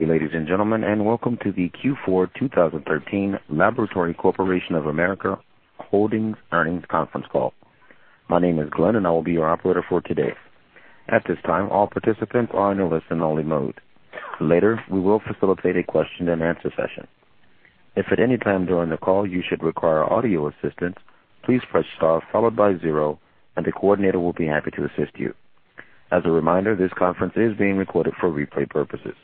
Ladies and gentlemen, and welcome to the Q4 2013 Laboratory Corporation of America Holdings earnings conference call. My name is Glenn, and I will be your operator for today. At this time, all participants are on a listen-only mode. Later, we will facilitate a question-and-answer session. If at any time during the call you should require audio assistance, please press star followed by zero, and the coordinator will be happy to assist you. As a reminder, this conference is being recorded for replay purposes.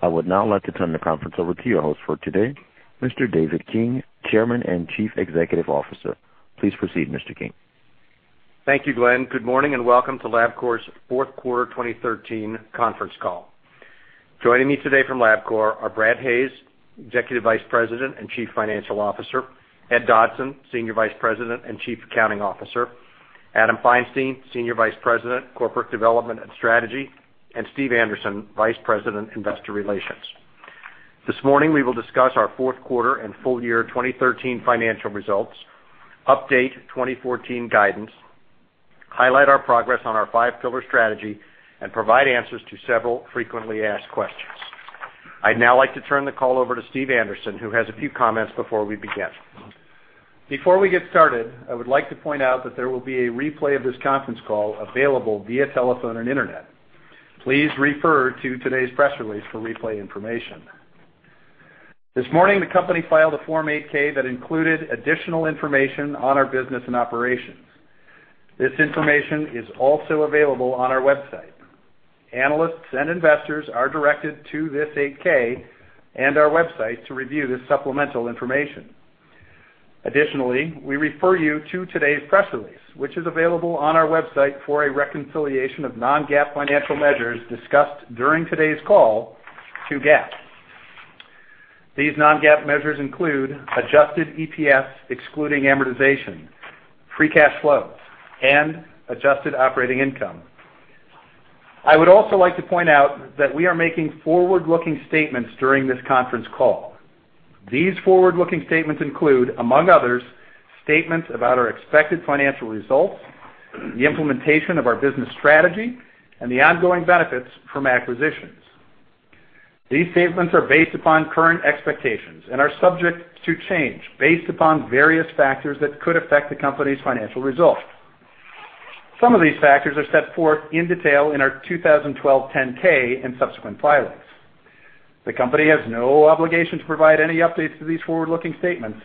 I would now like to turn the conference over to your host for today, Mr. David King, Chairman and Chief Executive Officer. Please proceed, Mr. King. Thank you, Glenn. Good morning and welcome to Labcorp's fourth quarter 2013 conference call. Joining me today from Labcorp are Brad Hayes, Executive Vice President and Chief Financial Officer, Ed Dodson, Senior Vice President and Chief Accounting Officer, Adam Feinstein, Senior Vice President, Corporate Development and Strategy, and Steve Anderson, Vice President, Investor Relations. This morning, we will discuss our fourth quarter and full year 2013 financial results, update 2014 guidance, highlight our progress on our five pillar strategy, and provide answers to several frequently asked questions. I'd now like to turn the call over to Steve Anderson, who has a few comments before we begin. Before we get started, I would like to point out that there will be a replay of this conference call available via telephone and internet. Please refer to today's press release for replay information. This morning, the company filed a Form 8-K that included additional information on our business and operations. This information is also available on our website. Analysts and investors are directed to this 8-K and our website to review this supplemental information. Additionally, we refer you to today's press release, which is available on our website for a reconciliation of non-GAAP financial measures discussed during today's call to GAAP. These non-GAAP measures include adjusted EPS excluding amortization, free cash flows, and adjusted operating income. I would also like to point out that we are making forward-looking statements during this conference call. These forward-looking statements include, among others, statements about our expected financial results, the implementation of our business strategy, and the ongoing benefits from acquisitions. These statements are based upon current expectations and are subject to change based upon various factors that could affect the company's financial results. Some of these factors are set forth in detail in our 2012 10-K and subsequent filings. The company has no obligation to provide any updates to these forward-looking statements,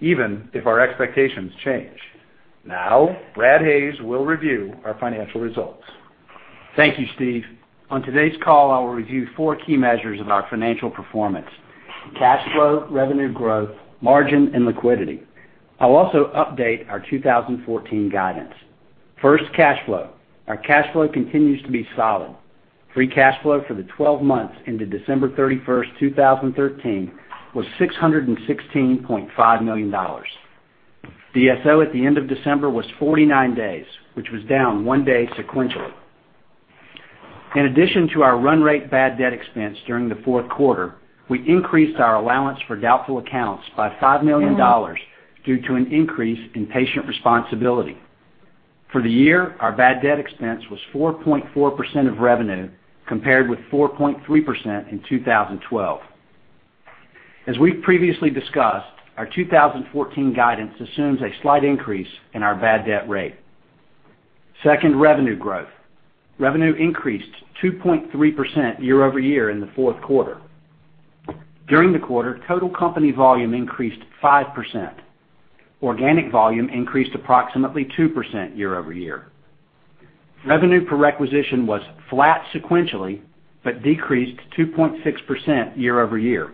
even if our expectations change. Now, Brad Hayes will review our financial results. Thank you, Steve. On today's call, I will review four key measures of our financial performance: cash flow, revenue growth, margin, and liquidity. I'll also update our 2014 guidance. First, cash flow. Our cash flow continues to be solid. Free cash flow for the 12 months ended December 31st, 2013, was $616.5 million. DSO at the end of December was 49 days, which was down one day sequentially. In addition to our run rate bad debt expense during the fourth quarter, we increased our allowance for doubtful accounts by $5 million due to an increase in patient responsibility. For the year, our bad debt expense was 4.4% of revenue compared with 4.3% in 2012. As we've previously discussed, our 2014 guidance assumes a slight increase in our bad debt rate. Second, revenue growth. Revenue increased 2.3% year-over-year in the fourth quarter. During the quarter, total company volume increased 5%. Organic volume increased approximately 2% year-over-year. Revenue per requisition was flat sequentially but decreased 2.6% year-over-year.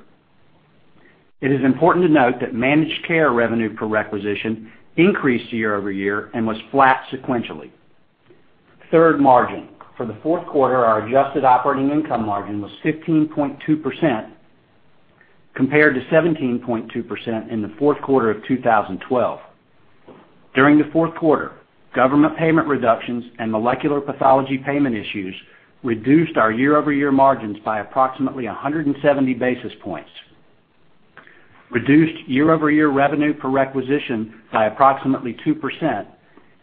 It is important to note that managed care revenue per requisition increased year-over-year and was flat sequentially. Third, margin. For the fourth quarter, our adjusted operating income margin was 15.2% compared to 17.2% in the fourth quarter of 2012. During the fourth quarter, government payment reductions and molecular pathology payment issues reduced our year-over-year margins by approximately 170 basis points, reduced year-over-year revenue per requisition by approximately 2%,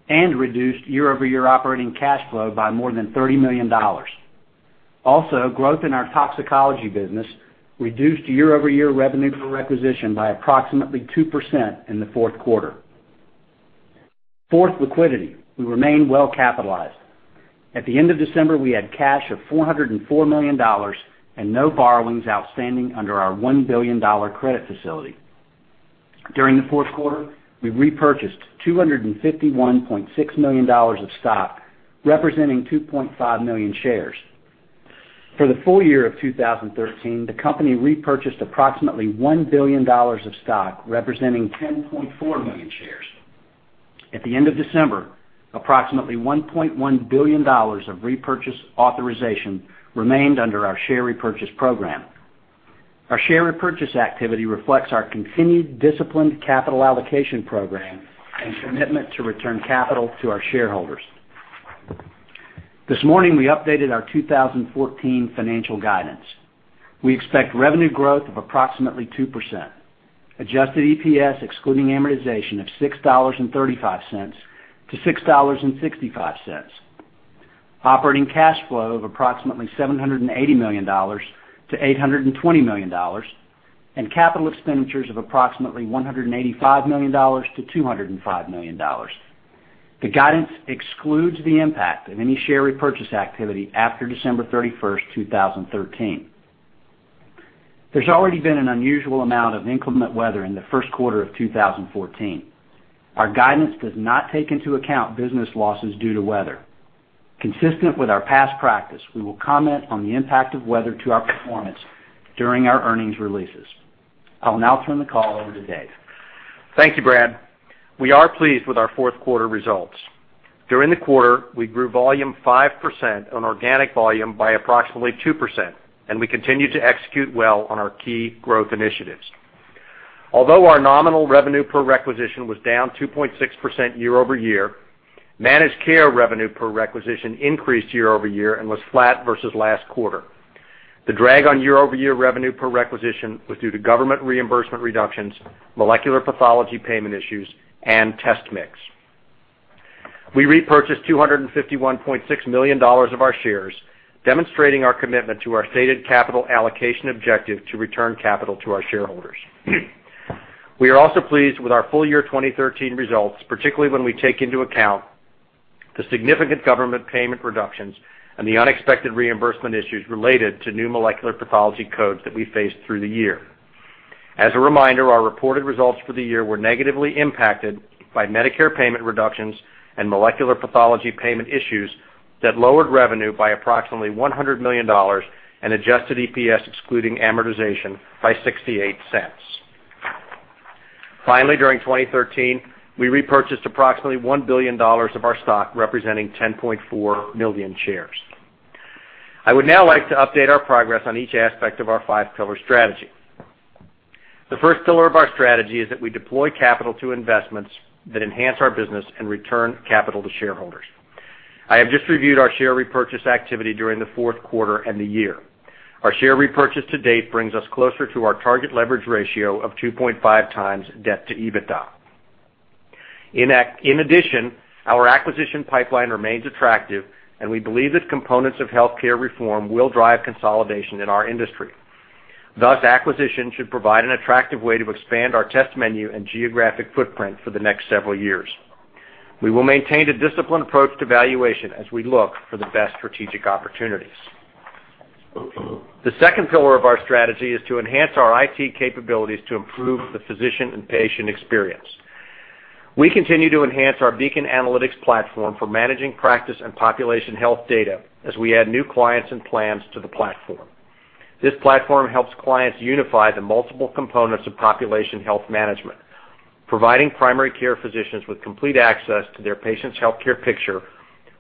and reduced year-over-year operating cash flow by more than $30 million. Also, growth in our toxicology business reduced year-over-year revenue per requisition by approximately 2% in the fourth quarter. Fourth, liquidity. We remain well capitalized. At the end of December, we had cash of $404 million and no borrowings outstanding under our $1 billion credit facility. During the fourth quarter, we repurchased $251.6 million of stock, representing 2.5 million shares. For the full year of 2013, the company repurchased approximately $1 billion of stock, representing 10.4 million shares. At the end of December, approximately $1.1 billion of repurchase authorization remained under our share repurchase program. Our share repurchase activity reflects our continued disciplined capital allocation program and commitment to return capital to our shareholders. This morning, we updated our 2014 financial guidance. We expect revenue growth of approximately 2%, adjusted EPS excluding amortization of $6.35-$6.65, operating cash flow of approximately $780 million-$820 million, and capital expenditures of approximately $185 million-$205 million. The guidance excludes the impact of any share repurchase activity after December 31st, 2013. There's already been an unusual amount of inclement weather in the first quarter of 2014. Our guidance does not take into account business losses due to weather. Consistent with our past practice, we will comment on the impact of weather to our performance during our earnings releases. I'll now turn the call over to Dave. Thank you, Brad. We are pleased with our fourth quarter results. During the quarter, we grew volume 5% and organic volume by approximately 2%, and we continue to execute well on our key growth initiatives. Although our nominal revenue per requisition was down 2.6% year-over-year, managed care revenue per requisition increased year-over-year and was flat versus last quarter. The drag on year-over-year revenue per requisition was due to government reimbursement reductions, molecular pathology payment issues, and test mix. We repurchased $251.6 million of our shares, demonstrating our commitment to our stated capital allocation objective to return capital to our shareholders. We are also pleased with our full year 2013 results, particularly when we take into account the significant government payment reductions and the unexpected reimbursement issues related to new molecular pathology codes that we faced through the year. As a reminder, our reported results for the year were negatively impacted by Medicare payment reductions and molecular pathology payment issues that lowered revenue by approximately $100 million and adjusted EPS excluding amortization by $0.68. Finally, during 2013, we repurchased approximately $1 billion of our stock, representing 10.4 million shares. I would now like to update our progress on each aspect of our five pillar strategy. The first pillar of our strategy is that we deploy capital to investments that enhance our business and return capital to shareholders. I have just reviewed our share repurchase activity during the fourth quarter and the year. Our share repurchase to date brings us closer to our target leverage ratio of 2.5x debt to EBITDA. In addition, our acquisition pipeline remains attractive, and we believe that components of healthcare reform will drive consolidation in our industry. Thus, acquisition should provide an attractive way to expand our test menu and geographic footprint for the next several years. We will maintain a disciplined approach to valuation as we look for the best strategic opportunities. The second pillar of our strategy is to enhance our IT capabilities to improve the physician and patient experience. We continue to enhance our Beacon Analytics platform for managing practice and population health data as we add new clients and plans to the platform. This platform helps clients unify the multiple components of population health management, providing primary care physicians with complete access to their patient's healthcare picture,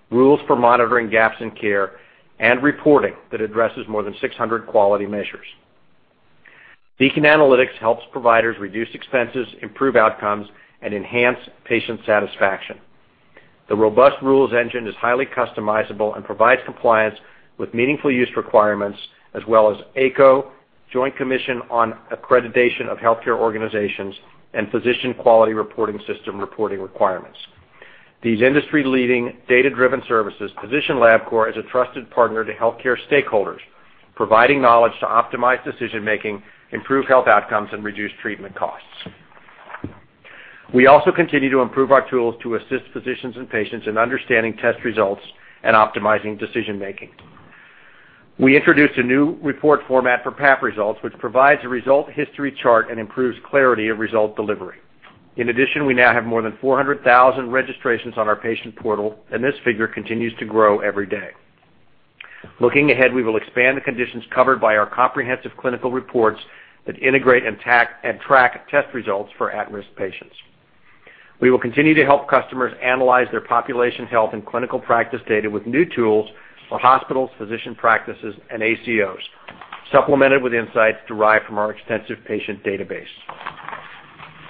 rules for monitoring gaps in care, and reporting that addresses more than 600 quality measures. Beacon: Analytics helps providers reduce expenses, improve outcomes, and enhance patient satisfaction. The robust rules engine is highly customizable and provides compliance with meaningful use requirements, as well as ACO, Joint Commission on Accreditation of Healthcare Organizations, and Physician Quality Reporting System reporting requirements. These industry-leading data-driven services position Labcorp as a trusted partner to healthcare stakeholders, providing knowledge to optimize decision-making, improve health outcomes, and reduce treatment costs. We also continue to improve our tools to assist physicians and patients in understanding test results and optimizing decision-making. We introduced a new report format for Pap results, which provides a result history chart and improves clarity of result delivery. In addition, we now have more than 400,000 registrations on our patient portal, and this figure continues to grow every day. Looking ahead, we will expand the conditions covered by our comprehensive clinical reports that integrate and track test results for at-risk patients. We will continue to help customers analyze their population health and clinical practice data with new tools for hospitals, physician practices, and ACOs, supplemented with insights derived from our extensive patient database.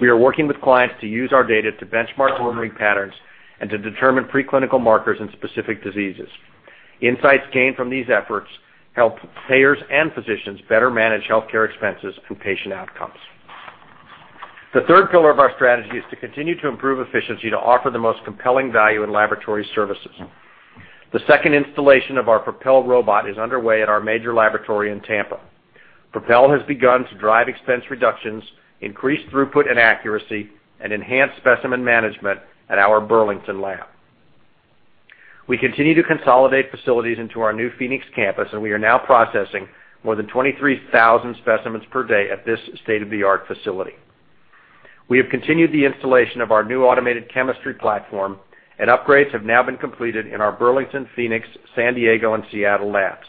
We are working with clients to use our data to benchmark ordering patterns and to determine preclinical markers in specific diseases. Insights gained from these efforts help payers and physicians better manage healthcare expenses and patient outcomes. The third pillar of our strategy is to continue to improve efficiency to offer the most compelling value in laboratory services. The second installation of our Propel robot is underway at our major laboratory in Tampa. Propel has begun to drive expense reductions, increase throughput and accuracy, and enhance specimen management at our Burlington Lab. We continue to consolidate facilities into our new Phoenix campus, and we are now processing more than 23,000 specimens per day at this state-of-the-art facility. We have continued the installation of our new automated chemistry platform, and upgrades have now been completed in our Burlington, Phoenix, San Diego, and Seattle labs.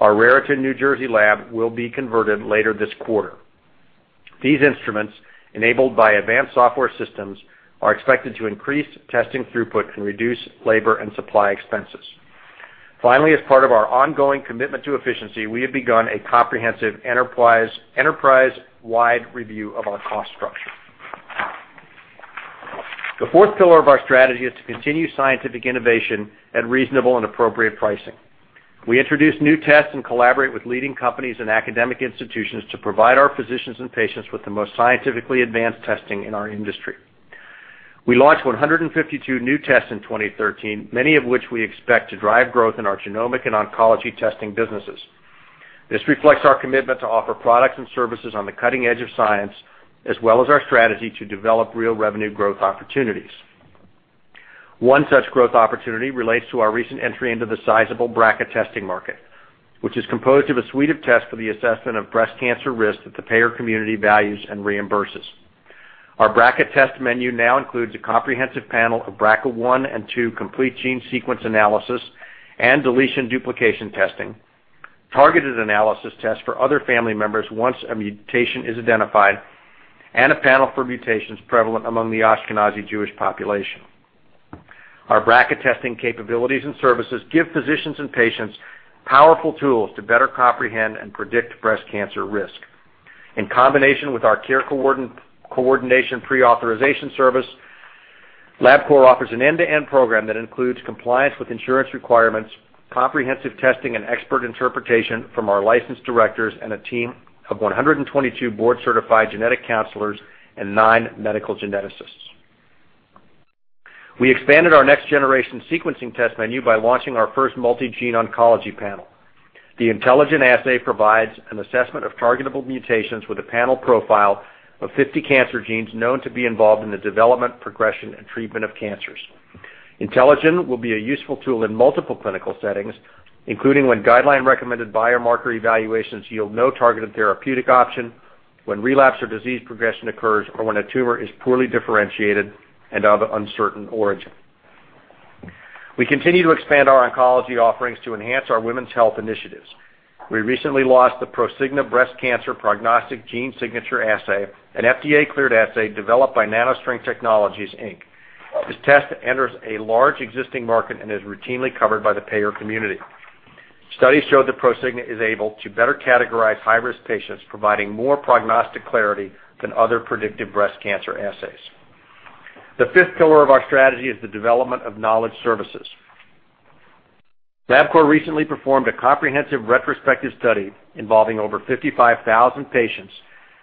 Our Raritan, New Jersey lab will be converted later this quarter. These instruments, enabled by advanced software systems, are expected to increase testing throughput and reduce labor and supply expenses. Finally, as part of our ongoing commitment to efficiency, we have begun a comprehensive enterprise-wide review of our cost structure. The fourth pillar of our strategy is to continue scientific innovation at reasonable and appropriate pricing. We introduce new tests and collaborate with leading companies and academic institutions to provide our physicians and patients with the most scientifically advanced testing in our industry. We launched 152 new tests in 2013, many of which we expect to drive growth in our genomic and oncology testing businesses. This reflects our commitment to offer products and services on the cutting edge of science, as well as our strategy to develop real revenue growth opportunities. One such growth opportunity relates to our recent entry into the sizable BRCA testing market, which is composed of a suite of tests for the assessment of breast cancer risk that the payer community values and reimburses. Our BRCA test menu now includes a comprehensive panel of BRCA1 and BRCA2 complete gene sequence analysis and deletion duplication testing, targeted analysis tests for other family members once a mutation is identified, and a panel for mutations prevalent among the Ashkenazi Jewish population. Our BRCA testing capabilities and services give physicians and patients powerful tools to better comprehend and predict breast cancer risk. In combination with our care coordination pre-authorization service, Labcorp offers an end-to-end program that includes compliance with insurance requirements, comprehensive testing, and expert interpretation from our licensed directors and a team of 122 board-certified genetic counselors and nine medical geneticists. We expanded our next-generation sequencing test menu by launching our first multi-gene oncology panel. The IntelliGEN Assay provides an assessment of targetable mutations with a panel profile of 50 cancer genes known to be involved in the development, progression, and treatment of cancers. IntelliGEN will be a useful tool in multiple clinical settings, including when guideline-recommended biomarker evaluations yield no targeted therapeutic option, when relapse or disease progression occurs, or when a tumor is poorly differentiated and of uncertain origin. We continue to expand our oncology offerings to enhance our women's health initiatives. We recently launched the Prosigna Breast Cancer Prognostic Gene Signature Assay, an FDA-cleared assay developed by NanoString Technologies, Inc. This test enters a large existing market and is routinely covered by the payer community. Studies show that Prosigna is able to better categorize high-risk patients, providing more prognostic clarity than other predictive breast cancer assays. The fifth pillar of our strategy is the development of knowledge services. Labcorp recently performed a comprehensive retrospective study involving over 55,000 patients,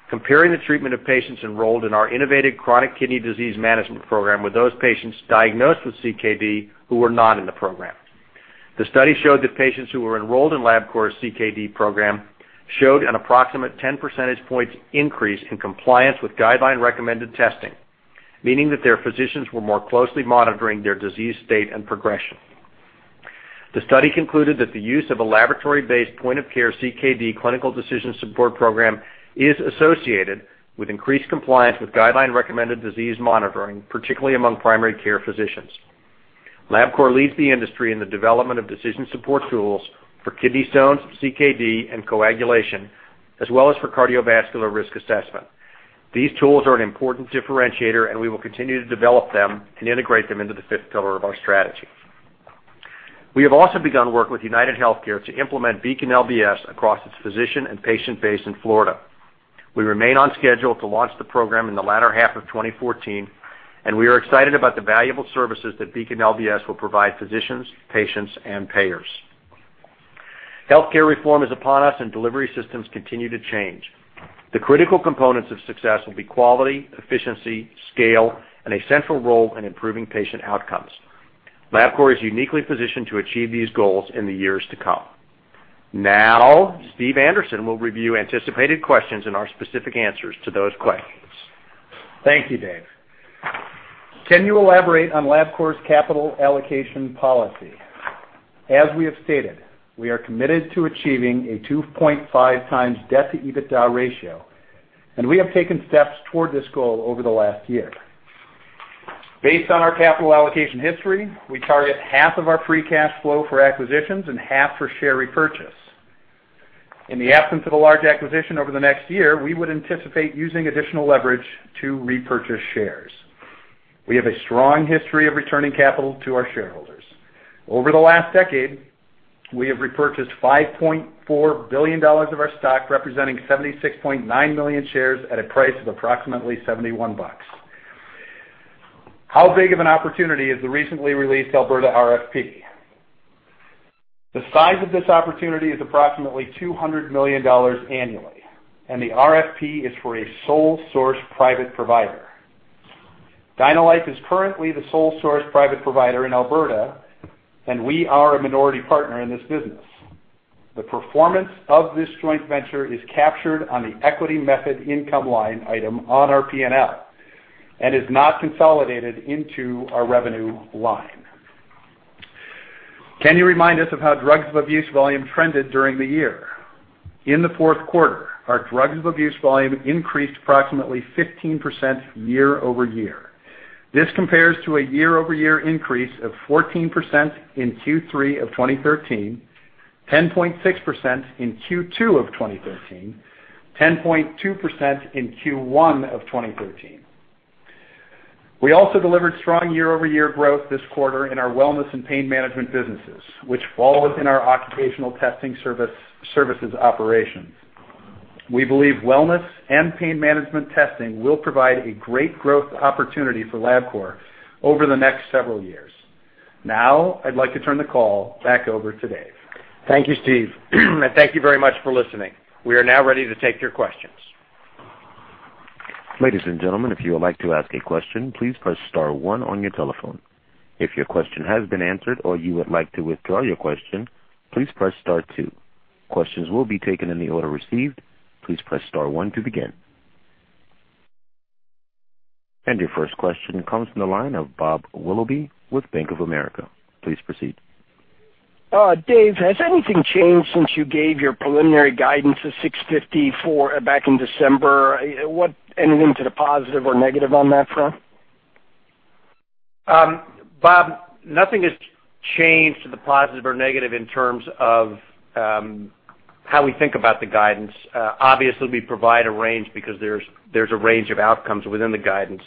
comparing the treatment of patients enrolled in our innovative chronic kidney disease management program with those patients diagnosed with CKD who were not in the program. The study showed that patients who were enrolled in Labcorp's CKD program showed an approximate 10 percentage points increase in compliance with guideline-recommended testing, meaning that their physicians were more closely monitoring their disease state and progression. The study concluded that the use of a laboratory-based point-of-care CKD clinical decision support program is associated with increased compliance with guideline-recommended disease monitoring, particularly among primary care physicians. Labcorp leads the industry in the development of decision support tools for kidney stones, CKD, and coagulation, as well as for cardiovascular risk assessment. These tools are an important differentiator, and we will continue to develop them and integrate them into the fifth pillar of our strategy. We have also begun work with UnitedHealthcare to implement Beacon LBS across its physician and patient base in Florida. We remain on schedule to launch the program in the latter half of 2014, and we are excited about the valuable services that Beacon LBS will provide physicians, patients, and payers. Healthcare reform is upon us, and delivery systems continue to change. The critical components of success will be quality, efficiency, scale, and a central role in improving patient outcomes. Labcorp is uniquely positioned to achieve these goals in the years to come. Now, Steve Anderson will review anticipated questions and our specific answers to those questions. Thank you, Dave. Can you elaborate on Labcorp's capital allocation policy? As we have stated, we are committed to achieving a 2.5x debt to EBITDA ratio, and we have taken steps toward this goal over the last year. Based on our capital allocation history, we target half of our free cash flow for acquisitions and half for share repurchase. In the absence of a large acquisition over the next year, we would anticipate using additional leverage to repurchase shares. We have a strong history of returning capital to our shareholders. Over the last decade, we have repurchased $5.4 billion of our stock, representing 76.9 million shares at a price of approximately $71. How big of an opportunity is the recently released Alberta RFP? The size of this opportunity is approximately $200 million annually, and the RFP is for a sole source private provider. DynaLife is currently the sole source private provider in Alberta, and we are a minority partner in this business. The performance of this joint venture is captured on the equity method income line item on our P&L and is not consolidated into our revenue line. Can you remind us of how drugs of abuse volume trended during the year? In the fourth quarter, our drugs of abuse volume increased approximately 15% year-over-year. This compares to a year-over-year increase of 14% in Q3 of 2013, 10.6% in Q2 of 2013, and 10.2% in Q1 of 2013. We also delivered strong year-over-year growth this quarter in our wellness and pain management businesses, which fall within our occupational testing services operations. We believe wellness and pain management testing will provide a great growth opportunity for Labcorp over the next several years. Now, I'd like to turn the call back over to Dave. Thank you, Steve, and thank you very much for listening. We are now ready to take your questions. Ladies and gentlemen, if you would like to ask a question, please press star one on your telephone. If your question has been answered or you would like to withdraw your question, please press star two. Questions will be taken in the order received. Please press star one to begin. Your first question comes from the line of Bob Willoughby with Bank of America. Please proceed. Dave, has anything changed since you gave your preliminary guidance to 654 back in December? Anything to the positive or negative on that front? Bob, nothing has changed to the positive or negative in terms of how we think about the guidance. Obviously, we provide a range because there's a range of outcomes within the guidance.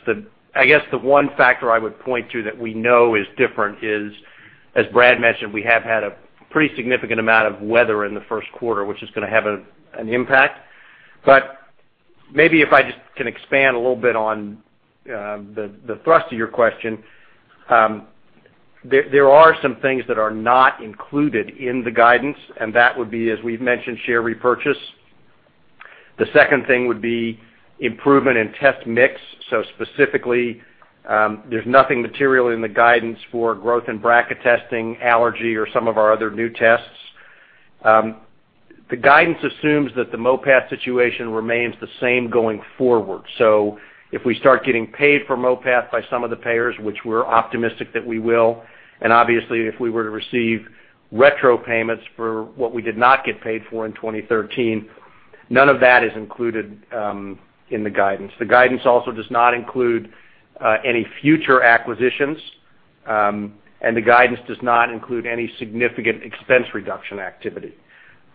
I guess the one factor I would point to that we know is different is, as Brad mentioned, we have had a pretty significant amount of weather in the first quarter, which is going to have an impact. Maybe if I just can expand a little bit on the thrust of your question, there are some things that are not included in the guidance, and that would be, as we've mentioned, share repurchase. The second thing would be improvement in test mix. Specifically, there's nothing material in the guidance for growth in BRCA testing, allergy, or some of our other new tests. The guidance assumes that the MOPAT situation remains the same going forward. If we start getting paid for MOPAT by some of the payers, which we're optimistic that we will, and obviously, if we were to receive retro payments for what we did not get paid for in 2013, none of that is included in the guidance. The guidance also does not include any future acquisitions, and the guidance does not include any significant expense reduction activity.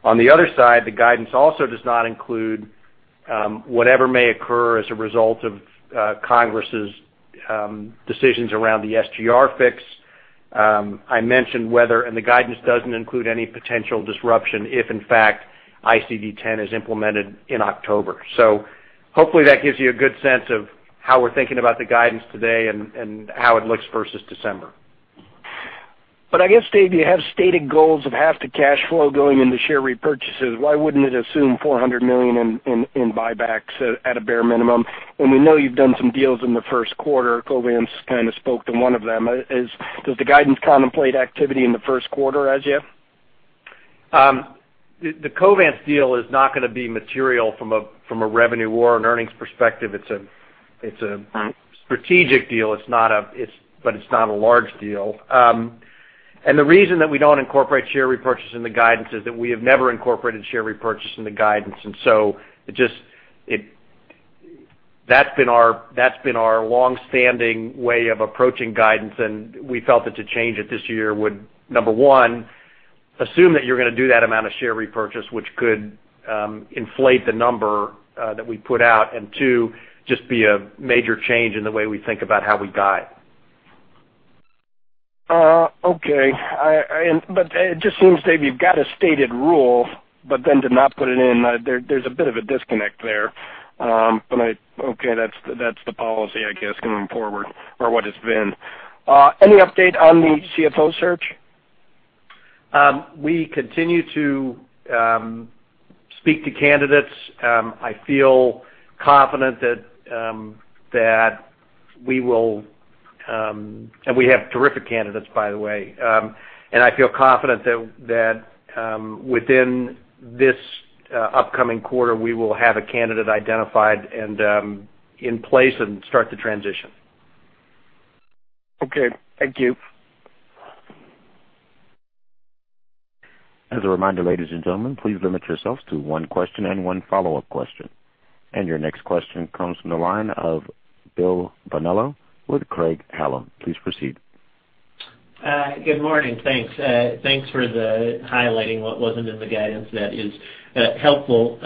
On the other side, the guidance also does not include whatever may occur as a result of congress's decisions around the SGR fix. I mentioned weather, and the guidance does not include any potential disruption if, in fact, ICD-10 is implemented in October. Hopefully, that gives you a good sense of how we're thinking about the guidance today and how it looks versus December. I guess, Dave, you have stated goals of half the cash flow going into share repurchases. Why would it not assume $400 million in buybacks at a bare minimum? We know you have done some deals in the first quarter. Covance kind of spoke to one of them. Does the guidance contemplate activity in the first quarter as yet? The Covance deal is not going to be material from a revenue or earnings perspective. It's a strategic deal, but it's not a large deal. The reason that we don't incorporate share repurchase in the guidance is that we have never incorporated share repurchase in the guidance. That's been our long-standing way of approaching guidance, and we felt that to change it this year would, number one, assume that you're going to do that amount of share repurchase, which could inflate the number that we put out, and two, just be a major change in the way we think about how we guide. Okay. It just seems, Dave, you've got a stated rule, but then to not put it in, there's a bit of a disconnect there. Okay, that's the policy, I guess, going forward, or what it's been. Any update on the CFO search? We continue to speak to candidates. I feel confident that we will, and we have terrific candidates, by the way. I feel confident that within this upcoming quarter, we will have a candidate identified and in place and start the transition. Okay. Thank you. As a reminder, ladies and gentlemen, please limit yourselves to one question and one follow-up question. Your next question comes from the line of Will Bonello with Craig-Hallum. Please proceed. Good morning. Thanks. Thanks for highlighting what wasn't in the guidance. That is helpful.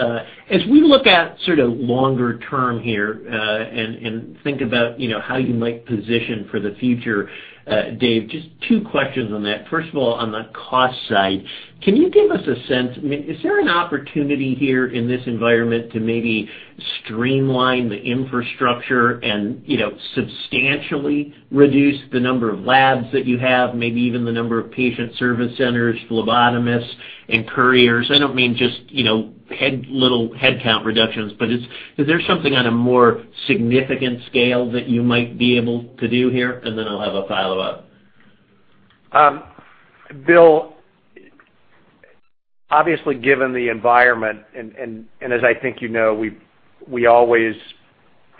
As we look at sort of longer term here and think about how you might position for the future, Dave, just two questions on that. First of all, on the cost side, can you give us a sense? Is there an opportunity here in this environment to maybe streamline the infrastructure and substantially reduce the number of labs that you have, maybe even the number of patient service centers, phlebotomists, and couriers? I don't mean just little headcount reductions, but is there something on a more significant scale that you might be able to do here? I'll have a follow-up. Bill, obviously, given the environment, and as I think you know, we always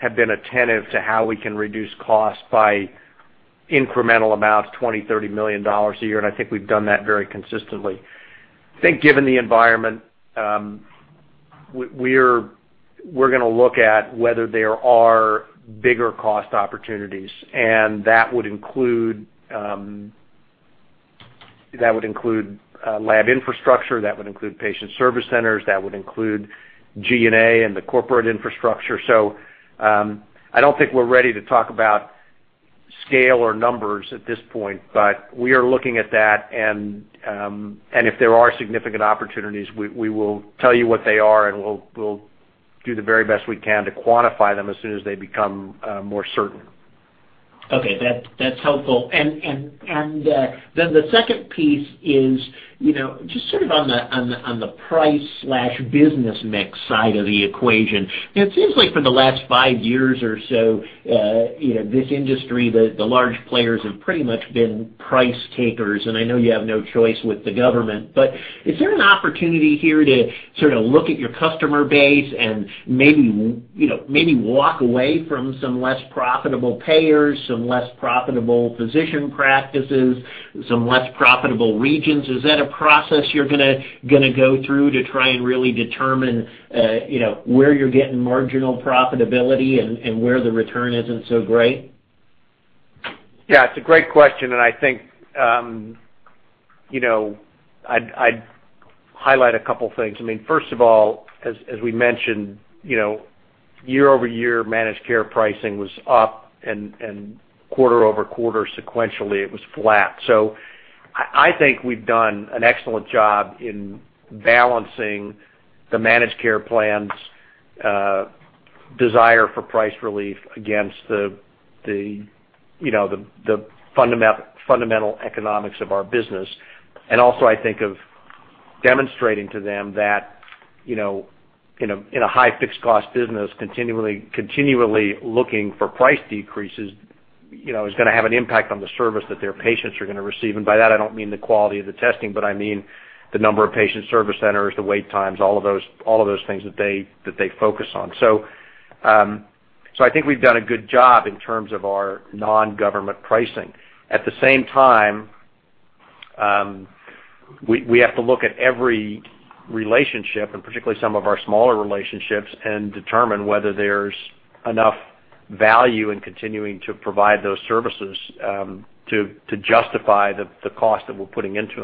have been attentive to how we can reduce costs by incremental amounts, $20 million, $30 million a year, and I think we've done that very consistently. I think given the environment, we're going to look at whether there are bigger cost opportunities, and that would include lab infrastructure, that would include patient service centers, that would include G&A and the corporate infrastructure. I don't think we're ready to talk about scale or numbers at this point, but we are looking at that, and if there are significant opportunities, we will tell you what they are, and we'll do the very best we can to quantify them as soon as they become more certain. Okay. That's helpful. The second piece is just sort of on the price/business mix side of the equation. It seems like for the last five years or so, this industry, the large players have pretty much been price takers, and I know you have no choice with the government. Is there an opportunity here to sort of look at your customer base and maybe walk away from some less profitable payers, some less profitable physician practices, some less profitable regions? Is that a process you're going to go through to try and really determine where you're getting marginal profitability and where the return isn't so great? Yeah. It's a great question, and I think I'd highlight a couple of things. I mean, first of all, as we mentioned, year-over-year managed care pricing was quarter-over-quarter sequentially, it was flat. I think we've done an excellent job in balancing the managed care plan's desire for price relief against the fundamental economics of our business. I also think of demonstrating to them that in a high fixed cost business, continually looking for price decreases is going to have an impact on the service that their patients are going to receive. By that, I don't mean the quality of the testing, but I mean the number of patient service centers, the wait times, all of those things that they focus on. I think we've done a good job in terms of our non-government pricing. At the same time, we have to look at every relationship, and particularly some of our smaller relationships, and determine whether there's enough value in continuing to provide those services to justify the cost that we're putting into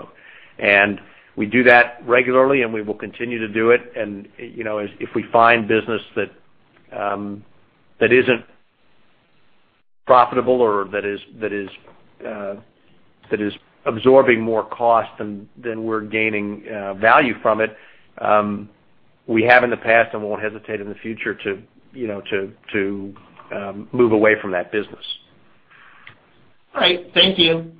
them. We do that regularly, and we will continue to do it. If we find business that isn't profitable or that is absorbing more cost than we're gaining value from it, we have in the past and won't hesitate in the future to move away from that business. All right. Thank you.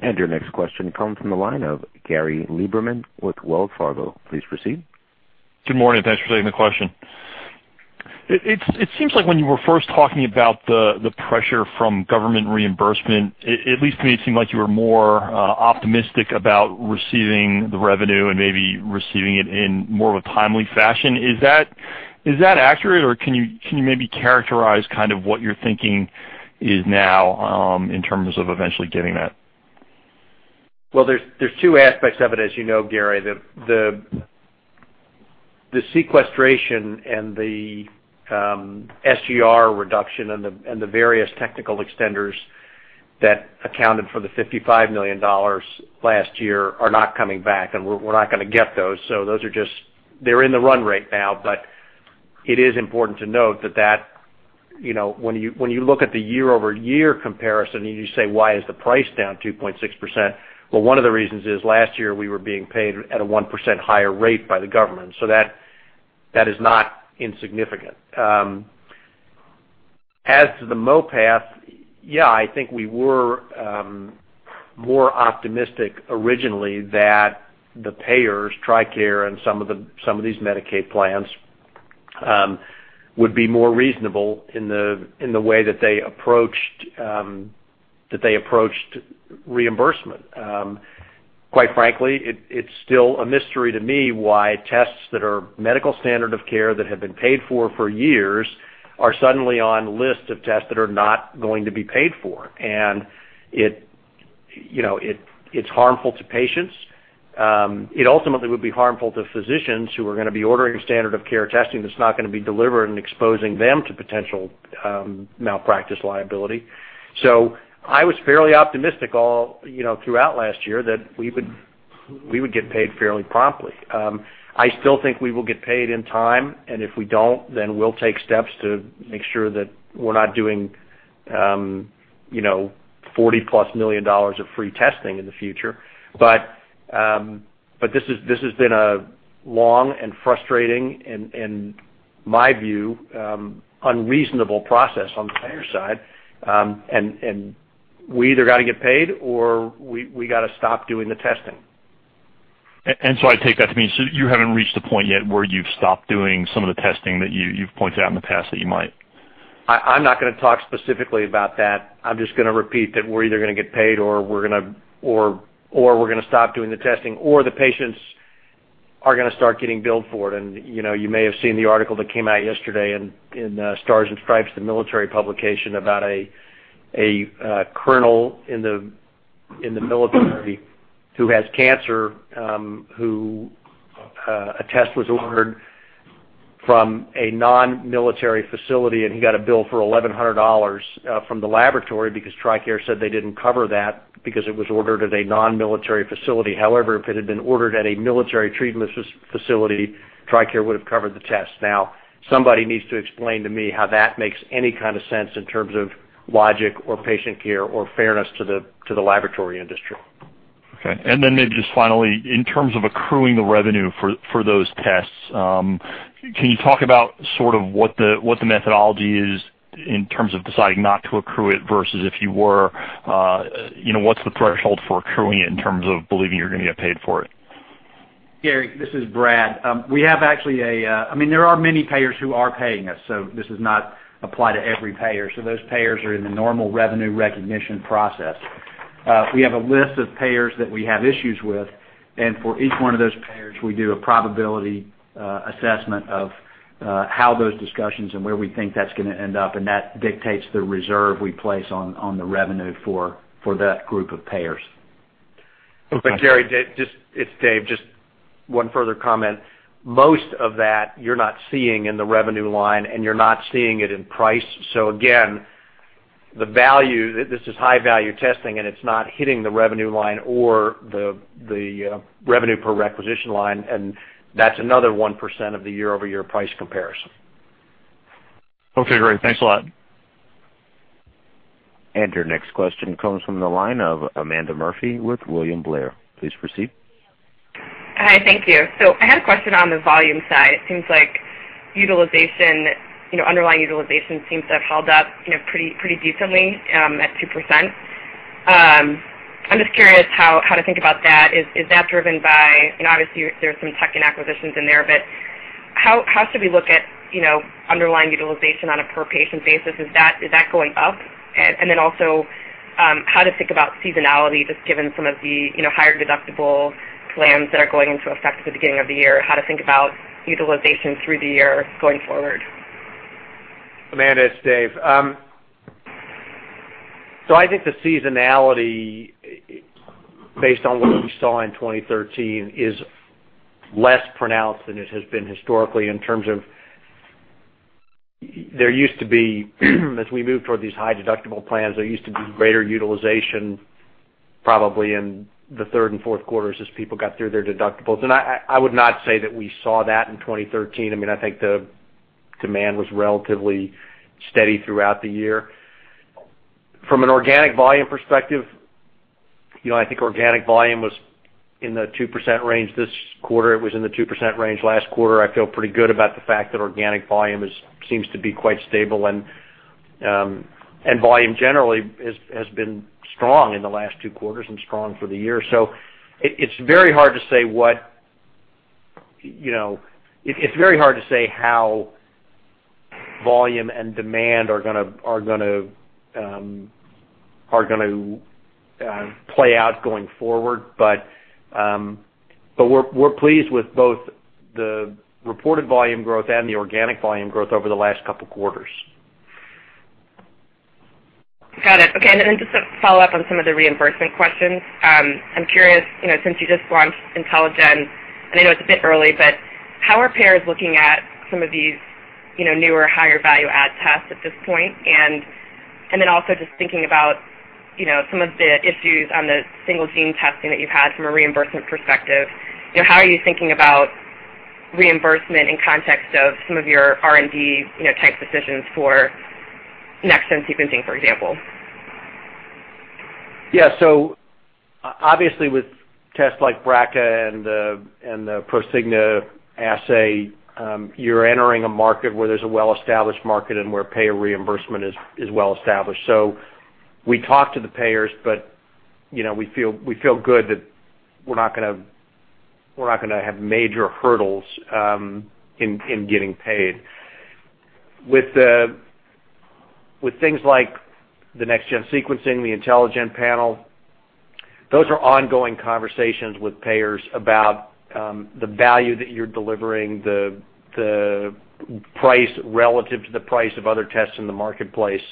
Your next question comes from the line of Gary Lieberman with Wells Fargo. Please proceed. Good morning. Thanks for taking the question. It seems like when you were first talking about the pressure from government reimbursement, at least to me, it seemed like you were more optimistic about receiving the revenue and maybe receiving it in more of a timely fashion. Is that accurate, or can you maybe characterize kind of what your thinking is now in terms of eventually getting that? There are two aspects of it, as you know, Gary. The sequestration and the SGR reduction and the various technical extenders that accounted for the $55 million last year are not coming back, and we're not going to get those. Those are just in the run right now, but it is important to note that when you look at the year-over-year comparison and you say, "Why is the price down 2.6%?" One of the reasons is last year we were being paid at a 1% higher rate by the government. That is not insignificant. As to the MOPAT, yeah, I think we were more optimistic originally that the payers, TRICARE and some of these Medicaid plans, would be more reasonable in the way that they approached reimbursement. Quite frankly, it's still a mystery to me why tests that are medical standard of care that have been paid for for years are suddenly on lists of tests that are not going to be paid for. It's harmful to patients. It ultimately would be harmful to physicians who are going to be ordering standard of care testing that's not going to be delivered and exposing them to potential malpractice liability. I was fairly optimistic throughout last year that we would get paid fairly promptly. I still think we will get paid in time, and if we don't, then we'll take steps to make sure that we're not doing $40+ million of free testing in the future. This has been a long and frustrating, in my view, unreasonable process on the payer side. We either got to get paid or we got to stop doing the testing. I take that to mean you haven't reached the point yet where you've stopped doing some of the testing that you've pointed out in the past that you might? I'm not going to talk specifically about that. I'm just going to repeat that we're either going to get paid or we're going to stop doing the testing, or the patients are going to start getting billed for it. You may have seen the article that came out yesterday in Stars & Stripes, the military publication, about a colonel in the military who has cancer who a test was ordered from a non-military facility, and he got a bill for $1,100 from the laboratory because Tricare said they didn't cover that because it was ordered at a non-military facility. However, if it had been ordered at a military treatment facility, Tricare would have covered the test. Now, somebody needs to explain to me how that makes any kind of sense in terms of logic or patient care or fairness to the laboratory industry. Okay. And then maybe just finally, in terms of accruing the revenue for those tests, can you talk about sort of what the methodology is in terms of deciding not to accrue it versus if you were? What is the threshold for accruing it in terms of believing you're going to get paid for it? Gary, this is Brad. We have actually a—I mean, there are many payers who are paying us, so this does not apply to every payer. Those payers are in the normal revenue recognition process. We have a list of payers that we have issues with, and for each one of those payers, we do a probability assessment of how those discussions and where we think that's going to end up, and that dictates the reserve we place on the revenue for that group of payers. Okay. Gary, it's Dave. Just one further comment. Most of that you're not seeing in the revenue line, and you're not seeing it in price. Again, this is high-value testing, and it's not hitting the revenue line or the revenue per requisition line, and that's another 1% of the year-over-year price comparison. Okay. Great. Thanks a lot. Your next question comes from the line of Amanda Murphy with William Blair. Please proceed. Hi. Thank you. I had a question on the volume side. It seems like underlying utilization seems to have held up pretty decently at 2%. I'm just curious how to think about that. Is that driven by, obviously, there's some tech and acquisitions in there, but how should we look at underlying utilization on a per-patient basis? Is that going up? Also, how to think about seasonality, just given some of the higher deductible plans that are going into effect at the beginning of the year? How to think about utilization through the year going forward? Amanda, it's Dave. I think the seasonality, based on what we saw in 2013, is less pronounced than it has been historically in terms of there used to be—as we move toward these high deductible plans, there used to be greater utilization probably in the third and fourth quarters as people got through their deductibles. I would not say that we saw that in 2013. I mean, I think the demand was relatively steady throughout the year. From an organic volume perspective, I think organic volume was in the 2% range this quarter. It was in the 2% range last quarter. I feel pretty good about the fact that organic volume seems to be quite stable, and volume generally has been strong in the last two quarters and strong for the year. It's very hard to say what—it's very hard to say how volume and demand are going to play out going forward, but we're pleased with both the reported volume growth and the organic volume growth over the last couple of quarters. Got it. Okay. Just to follow up on some of the reimbursement questions, I'm curious, since you just launched IntelliGEN, and I know it's a bit early, but how are payers looking at some of these newer higher-value-add tests at this point? Also, just thinking about some of the issues on the single-gene testing that you've had from a reimbursement perspective, how are you thinking about reimbursement in context of some of your R&D-type decisions for next-generation sequencing, for example? Yeah. Obviously, with tests like BRCA and the Prosigna assay, you're entering a market where there's a well-established market and where payer reimbursement is well-established. We talk to the payers, but we feel good that we're not going to have major hurdles in getting paid. With things like the next-gen sequencing, the IntelliGEN panel, those are ongoing conversations with payers about the value that you're delivering, the price relative to the price of other tests in the marketplace.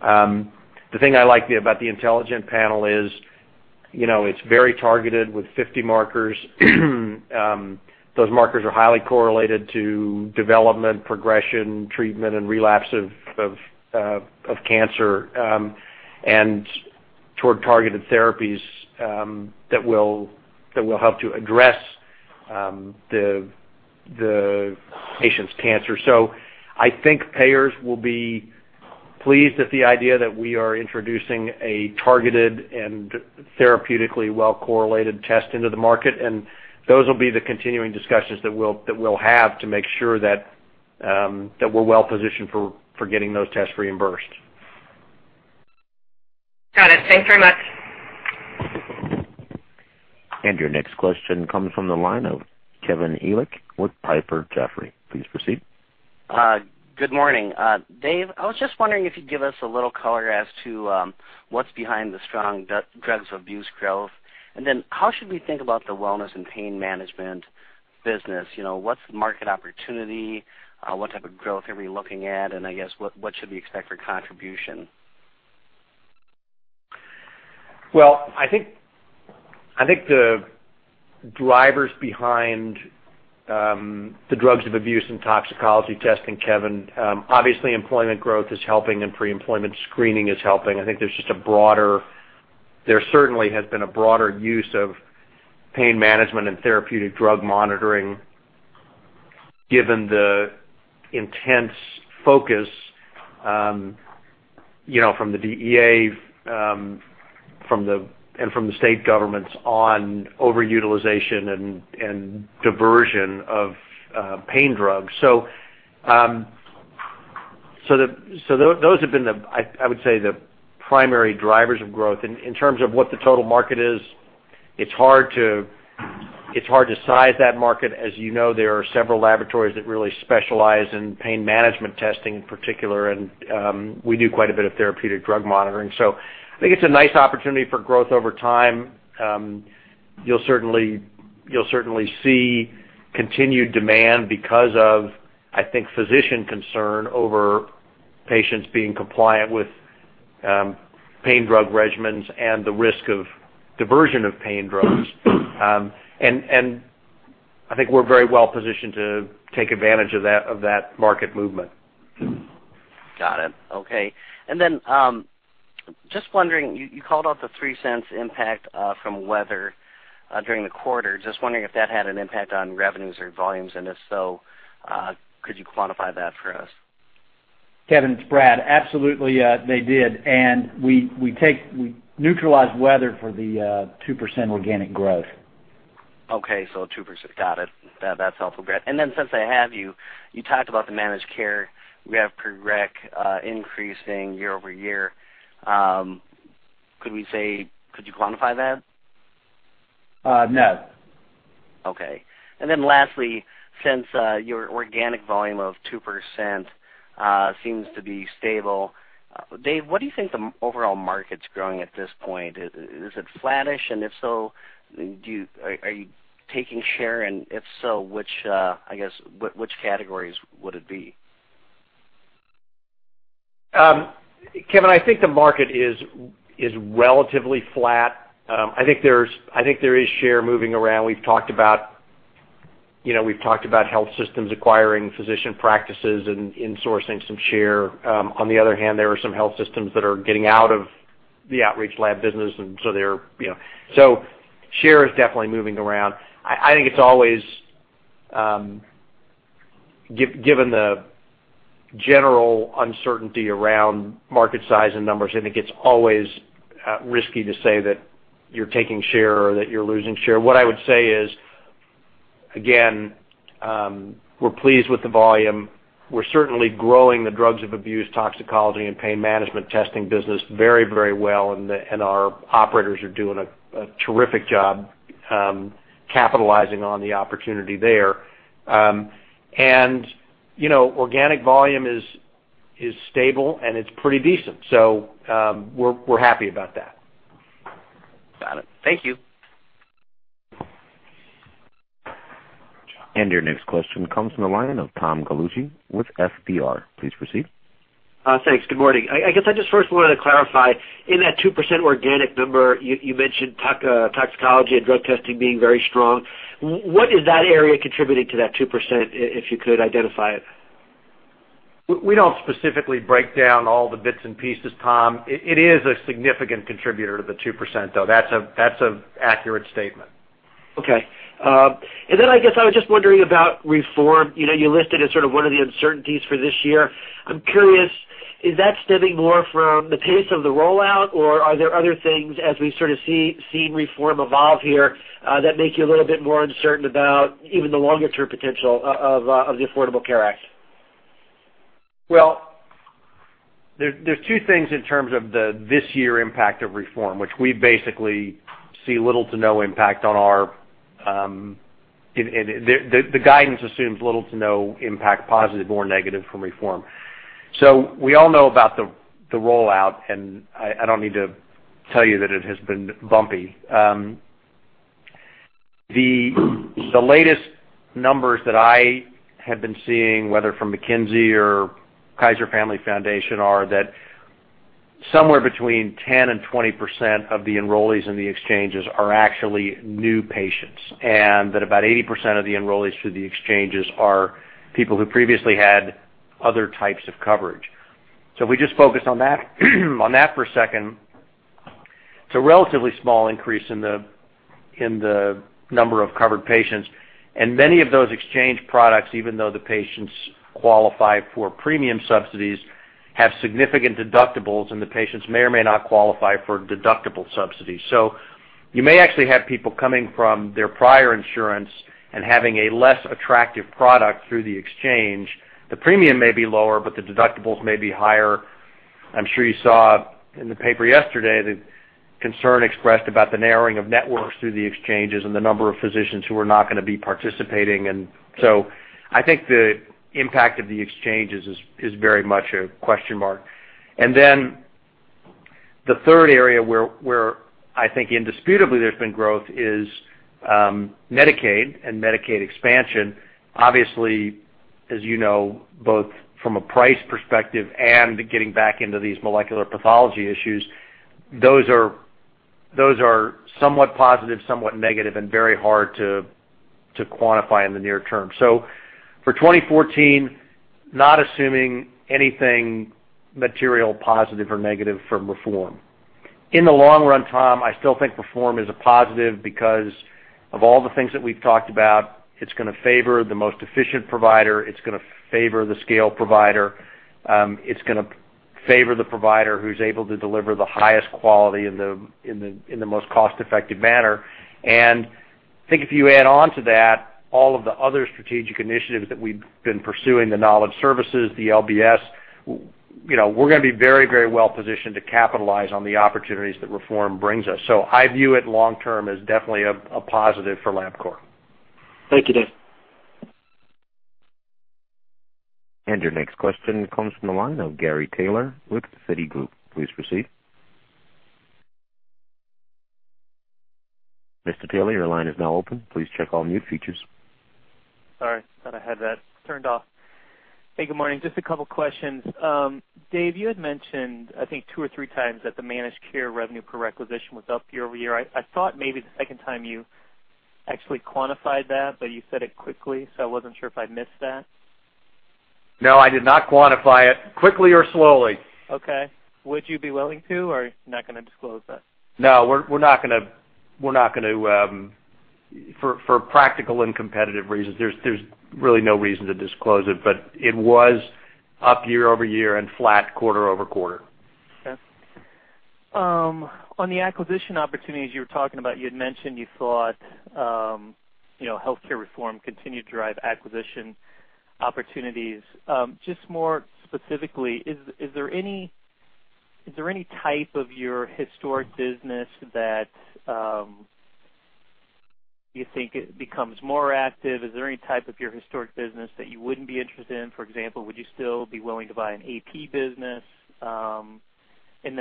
The thing I like about the IntelliGEN panel is it's very targeted with 50 markers. Those markers are highly correlated to development, progression, treatment, and relapse of cancer and toward targeted therapies that will help to address the patient's cancer.think payers will be pleased at the idea that we are introducing a targeted and therapeutically well-correlated test into the market, and those will be the continuing discussions that we'll have to make sure that we're well-positioned for getting those tests reimbursed. Got it. Thanks very much. Your next question comes from the line of Kevin Elyck with Piper Jaffray. Please proceed. Good morning. Dave, I was just wondering if you'd give us a little color as to what's behind the strong drugs of abuse growth. Then how should we think about the wellness and pain management business? What's the market opportunity? What type of growth are we looking at? I guess, what should we expect for contribution? I think the drivers behind the drugs of abuse and toxicology testing, Kevin, obviously employment growth is helping and pre-employment screening is helping. I think there is just a broader—there certainly has been a broader use of pain management and therapeutic drug monitoring given the intense focus from the DEA and from the state governments on over-utilization and diversion of pain drugs. Those have been, I would say, the primary drivers of growth. In terms of what the total market is, it is hard to size that market. As you know, there are several laboratories that really specialize in pain management testing in particular, and we do quite a bit of therapeutic drug monitoring. I think it is a nice opportunity for growth over time. You'll certainly see continued demand because of, I think, physician concern over patients being compliant with pain drug regimens and the risk of diversion of pain drugs. I think we're very well-positioned to take advantage of that market movement. Got it. Okay. Just wondering, you called out the $0.03 impact from weather during the quarter. Just wondering if that had an impact on revenues or volumes, and if so, could you quantify that for us? Kevin, it's Brad. Absolutely, they did. We neutralize weather for the 2% organic growth. Okay. 2%. Got it. That's helpful, Brad. And then since I have you, you talked about the managed care, we have per rec increasing year-over-year. Could you quantify that? No. Okay. And then lastly, since your organic volume of 2% seems to be stable, Dave, what do you think the overall market's growing at this point? Is it flattish? If so, are you taking share? If so, I guess, which categories would it be? Kevin, I think the market is relatively flat. I think there is share moving around. We've talked about health systems acquiring physician practices and insourcing some share. On the other hand, there are some health systems that are getting out of the outreach lab business, and so share is definitely moving around. I think it's always, given the general uncertainty around market size and numbers, I think it's always risky to say that you're taking share or that you're losing share. What I would say is, again, we're pleased with the volume. We're certainly growing the drugs of abuse, toxicology, and pain management testing business very, very well, and our operators are doing a terrific job capitalizing on the opportunity there. Organic volume is stable, and it's pretty decent. We are happy about that. Got it. Thank you. Your next question comes from the line of Tom Galucci with FBR. Please proceed. Thanks. Good morning. I guess I just first wanted to clarify, in that 2% organic number, you mentioned toxicology and drug testing being very strong. What is that area contributing to that 2%, if you could identify it? We don't specifically break down all the bits and pieces, Tom. It is a significant contributor to the 2%, though. That's an accurate statement. Okay. I guess I was just wondering about reform. You listed as sort of one of the uncertainties for this year. I'm curious, is that stemming more from the pace of the rollout, or are there other things, as we sort of see reform evolve here, that make you a little bit more uncertain about even the longer-term potential of the Affordable Care Act? There are two things in terms of the this-year impact of reform, which we basically see little to no impact on our—the guidance assumes little to no impact, positive or negative, from reform. We all know about the rollout, and I do not need to tell you that it has been bumpy. The latest numbers that I have been seeing, whether from McKinsey or Kaiser Family Foundation, are that somewhere between 10%-20% of the enrollees in the exchanges are actually new patients, and that about 80% of the enrollees through the exchanges are people who previously had other types of coverage. If we just focus on that for a second, it is a relatively small increase in the number of covered patients. Many of those exchange products, even though the patients qualify for premium subsidies, have significant deductibles, and the patients may or may not qualify for deductible subsidies. You may actually have people coming from their prior insurance and having a less attractive product through the exchange. The premium may be lower, but the deductibles may be higher. I'm sure you saw in the paper yesterday the concern expressed about the narrowing of networks through the exchanges and the number of physicians who are not going to be participating. I think the impact of the exchanges is very much a question mark. The third area where I think indisputably there's been growth is Medicaid and Medicaid expansion. Obviously, as you know, both from a price perspective and getting back into these molecular pathology issues, those are somewhat positive, somewhat negative, and very hard to quantify in the near term. For 2014, not assuming anything material positive or negative from reform. In the long run, Tom, I still think reform is a positive because of all the things that we've talked about. It's going to favor the most efficient provider. It's going to favor the scale provider. It's going to favor the provider who's able to deliver the highest quality in the most cost-effective manner. I think if you add on to that all of the other strategic initiatives that we've been pursuing, the knowledge services, the LBS, we're going to be very, very well-positioned to capitalize on the opportunities that reform brings us. I view it long-term as definitely a positive for Labcorp. Thank you, Dave. Your next question comes from the line of Gary Taylor with Citigroup. Please proceed. Mr. Taylor, your line is now open. Please check all mute features. Sorry. I thought I had that turned off. Hey, good morning. Just a couple of questions. Dave, you had mentioned, I think, two or three times that the managed care revenue per requisition was up year-over-year. I thought maybe the second time you actually quantified that, but you said it quickly, so I was not sure if I missed that. No, I did not quantify it. Quickly or slowly. Okay. Would you be willing to, or you're not going to disclose that? No, we're not going to for practical and competitive reasons. There's really no reason to disclose it, but it was up year-over-year and flat quarter-over-quarter. Okay. On the acquisition opportunities you were talking about, you had mentioned you thought healthcare reform continued to drive acquisition opportunities. Just more specifically, is there any type of your historic business that you think becomes more active? Is there any type of your historic business that you wouldn't be interested in? For example, would you still be willing to buy an AP business?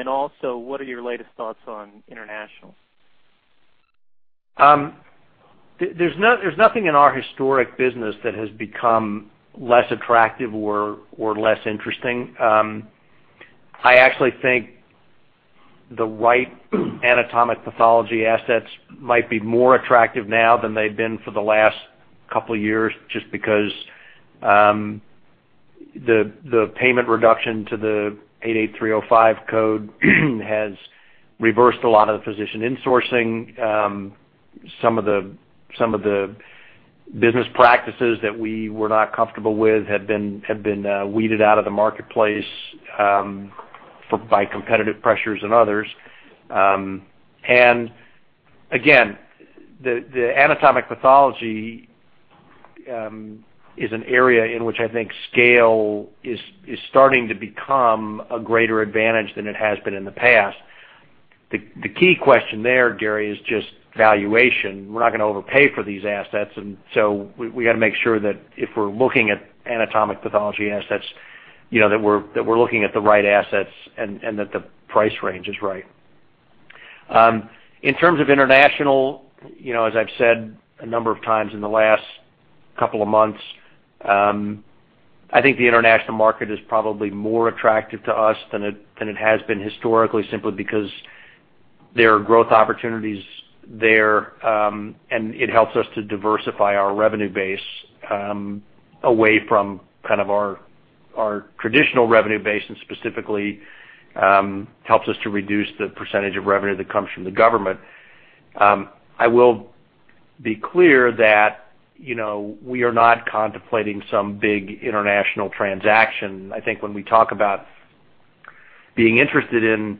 Also, what are your latest thoughts on international? There's nothing in our historic business that has become less attractive or less interesting. I actually think the right anatomic pathology assets might be more attractive now than they've been for the last couple of years just because the payment reduction to the 88305 code has reversed a lot of the physician insourcing. Some of the business practices that we were not comfortable with had been weeded out of the marketplace by competitive pressures and others. Again, the anatomic pathology is an area in which I think scale is starting to become a greater advantage than it has been in the past. The key question there, Gary, is just valuation. We're not going to overpay for these assets, and so we got to make sure that if we're looking at anatomic pathology assets, that we're looking at the right assets and that the price range is right. In terms of international, as I've said a number of times in the last couple of months, I think the international market is probably more attractive to us than it has been historically simply because there are growth opportunities there, and it helps us to diversify our revenue base away from kind of our traditional revenue base and specifically helps us to reduce the percentage of revenue that comes from the government. I will be clear that we are not contemplating some big international transaction. I think when we talk about being interested in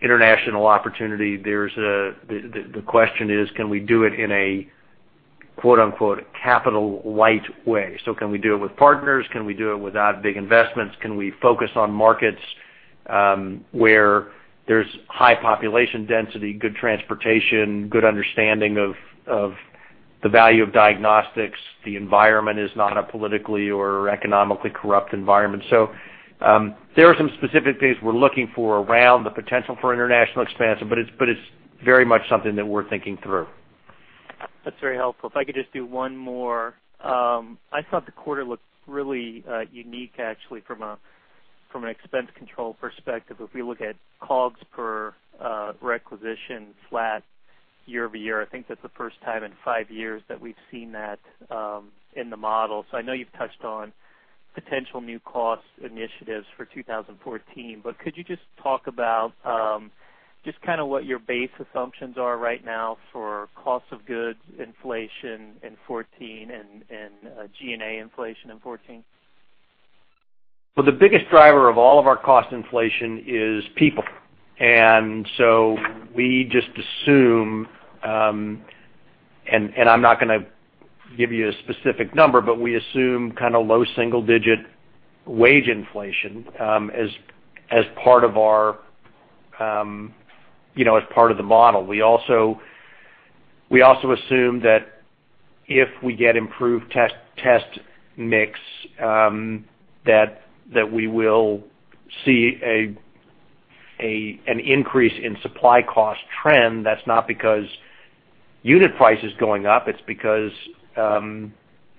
international opportunity, the question is, can we do it in a "capital light" way? Can we do it with partners? Can we do it without big investments? Can we focus on markets where there's high population density, good transportation, good understanding of the value of diagnostics? The environment is not a politically or economically corrupt environment. There are some specific things we're looking for around the potential for international expansion, but it's very much something that we're thinking through. That's very helpful. If I could just do one more, I thought the quarter looked really unique, actually, from an expense control perspective. If we look at COGS per requisition flat year-over-year, I think that's the first time in five years that we've seen that in the model. I know you've touched on potential new cost initiatives for 2014, but could you just talk about just kind of what your base assumptions are right now for cost of goods inflation in 2014 and G&A inflation in 2014? The biggest driver of all of our cost inflation is people. We just assume, and I'm not going to give you a specific number, but we assume kind of low single-digit wage inflation as part of our model. We also assume that if we get improved test mix, we will see an increase in supply cost trend. That's not because unit price is going up. It's because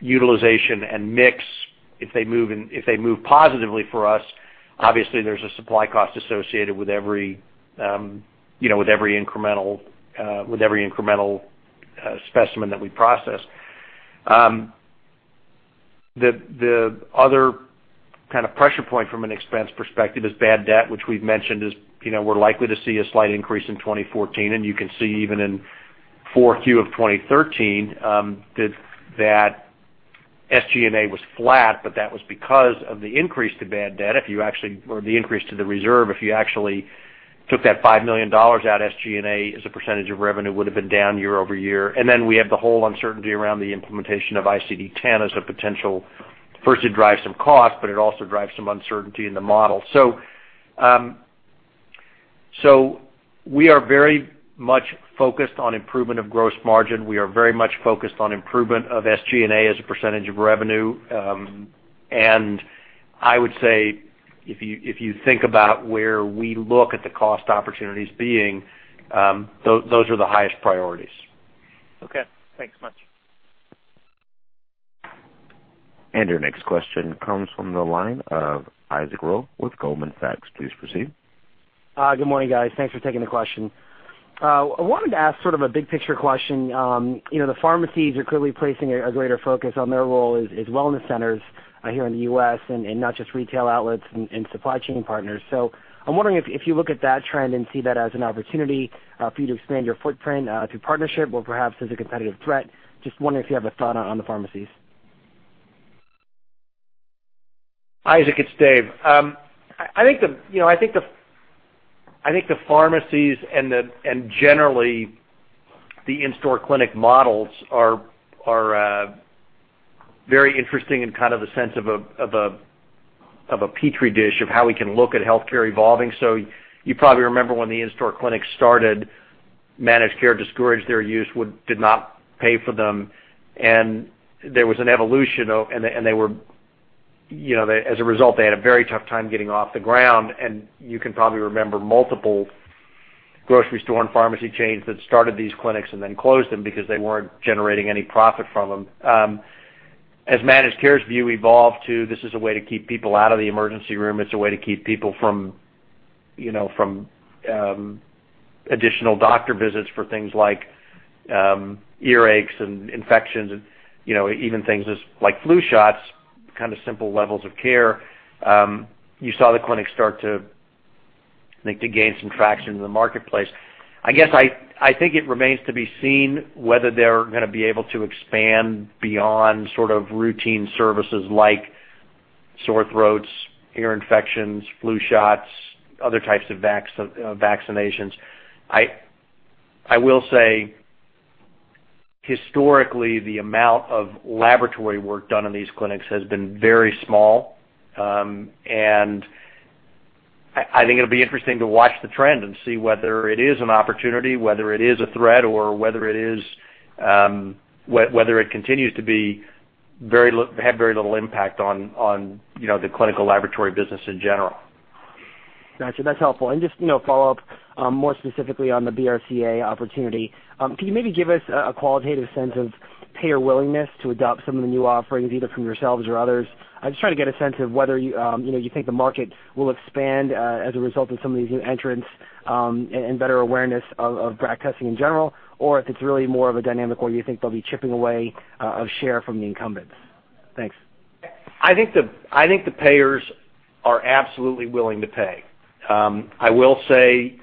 utilization and mix, if they move positively for us, obviously there's a supply cost associated with every incremental specimen that we process. The other kind of pressure point from an expense perspective is bad debt, which we've mentioned is we're likely to see a slight increase in 2014, and you can see even in 4Q of 2013 that SG&A was flat, but that was because of the increase to bad debt. If you actually, or the increase to the reserve, if you actually took that $5 million out, SG&A as a percentage of revenue would have been down year-over-year. We have the whole uncertainty around the implementation of ICD-10 as a potential first to drive some cost, but it also drives some uncertainty in the model. We are very much focused on improvement of gross margin. We are very much focused on improvement of SG&A as a percentage of revenue. I would say if you think about where we look at the cost opportunities being, those are the highest priorities. Okay. Thanks so much. Your next question comes from the line of Isaac Ro with Goldman Sachs. Please proceed. Good morning, guys. Thanks for taking the question. I wanted to ask sort of a big-picture question. The pharmacies are clearly placing a greater focus on their role as wellness centers here in the U.S. and not just retail outlets and supply chain partners. I am wondering if you look at that trend and see that as an opportunity for you to expand your footprint through partnership or perhaps as a competitive threat. Just wondering if you have a thought on the pharmacies. Hi, Isaac. It's Dave. I think the pharmacies and generally the in-store clinic models are very interesting in kind of the sense of a Petri dish of how we can look at healthcare evolving. You probably remember when the in-store clinics started, managed care discouraged their use, did not pay for them, and there was an evolution, and they were as a result, they had a very tough time getting off the ground. You can probably remember multiple grocery store and pharmacy chains that started these clinics and then closed them because they were not generating any profit from them. As managed care's view evolved to, this is a way to keep people out of the emergency room. It's a way to keep people from additional doctor visits for things like earaches and infections and even things like flu shots, kind of simple levels of care, you saw the clinics start to gain some traction in the marketplace. I guess I think it remains to be seen whether they're going to be able to expand beyond sort of routine services like sore throats, ear infections, flu shots, other types of vaccinations. I will say historically, the amount of laboratory work done in these clinics has been very small, and I think it'll be interesting to watch the trend and see whether it is an opportunity, whether it is a threat, or whether it continues to have very little impact on the clinical laboratory business in general. Gotcha. That's helpful. Just follow-up more specifically on the BRCA opportunity. Can you maybe give us a qualitative sense of payer willingness to adopt some of the new offerings either from yourselves or others? I'm just trying to get a sense of whether you think the market will expand as a result of some of these new entrants and better awareness of BRCA testing in general, or if it's really more of a dynamic where you think they'll be chipping away a share from the incumbents. Thanks. I think the payers are absolutely willing to pay. I will say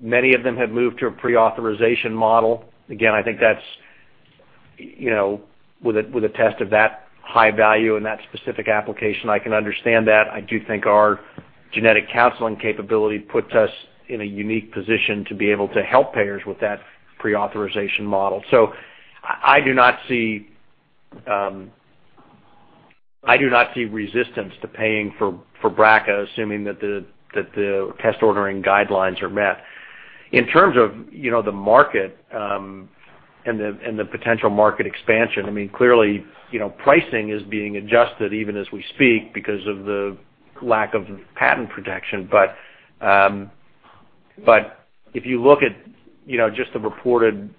many of them have moved to a pre-authorization model. Again, I think that's with a test of that high value and that specific application, I can understand that. I do think our genetic counseling capability puts us in a unique position to be able to help payers with that pre-authorization model. I do not see resistance to paying for BRCA assuming that the test ordering guidelines are met. In terms of the market and the potential market expansion, I mean, clearly pricing is being adjusted even as we speak because of the lack of patent protection. If you look at just the reported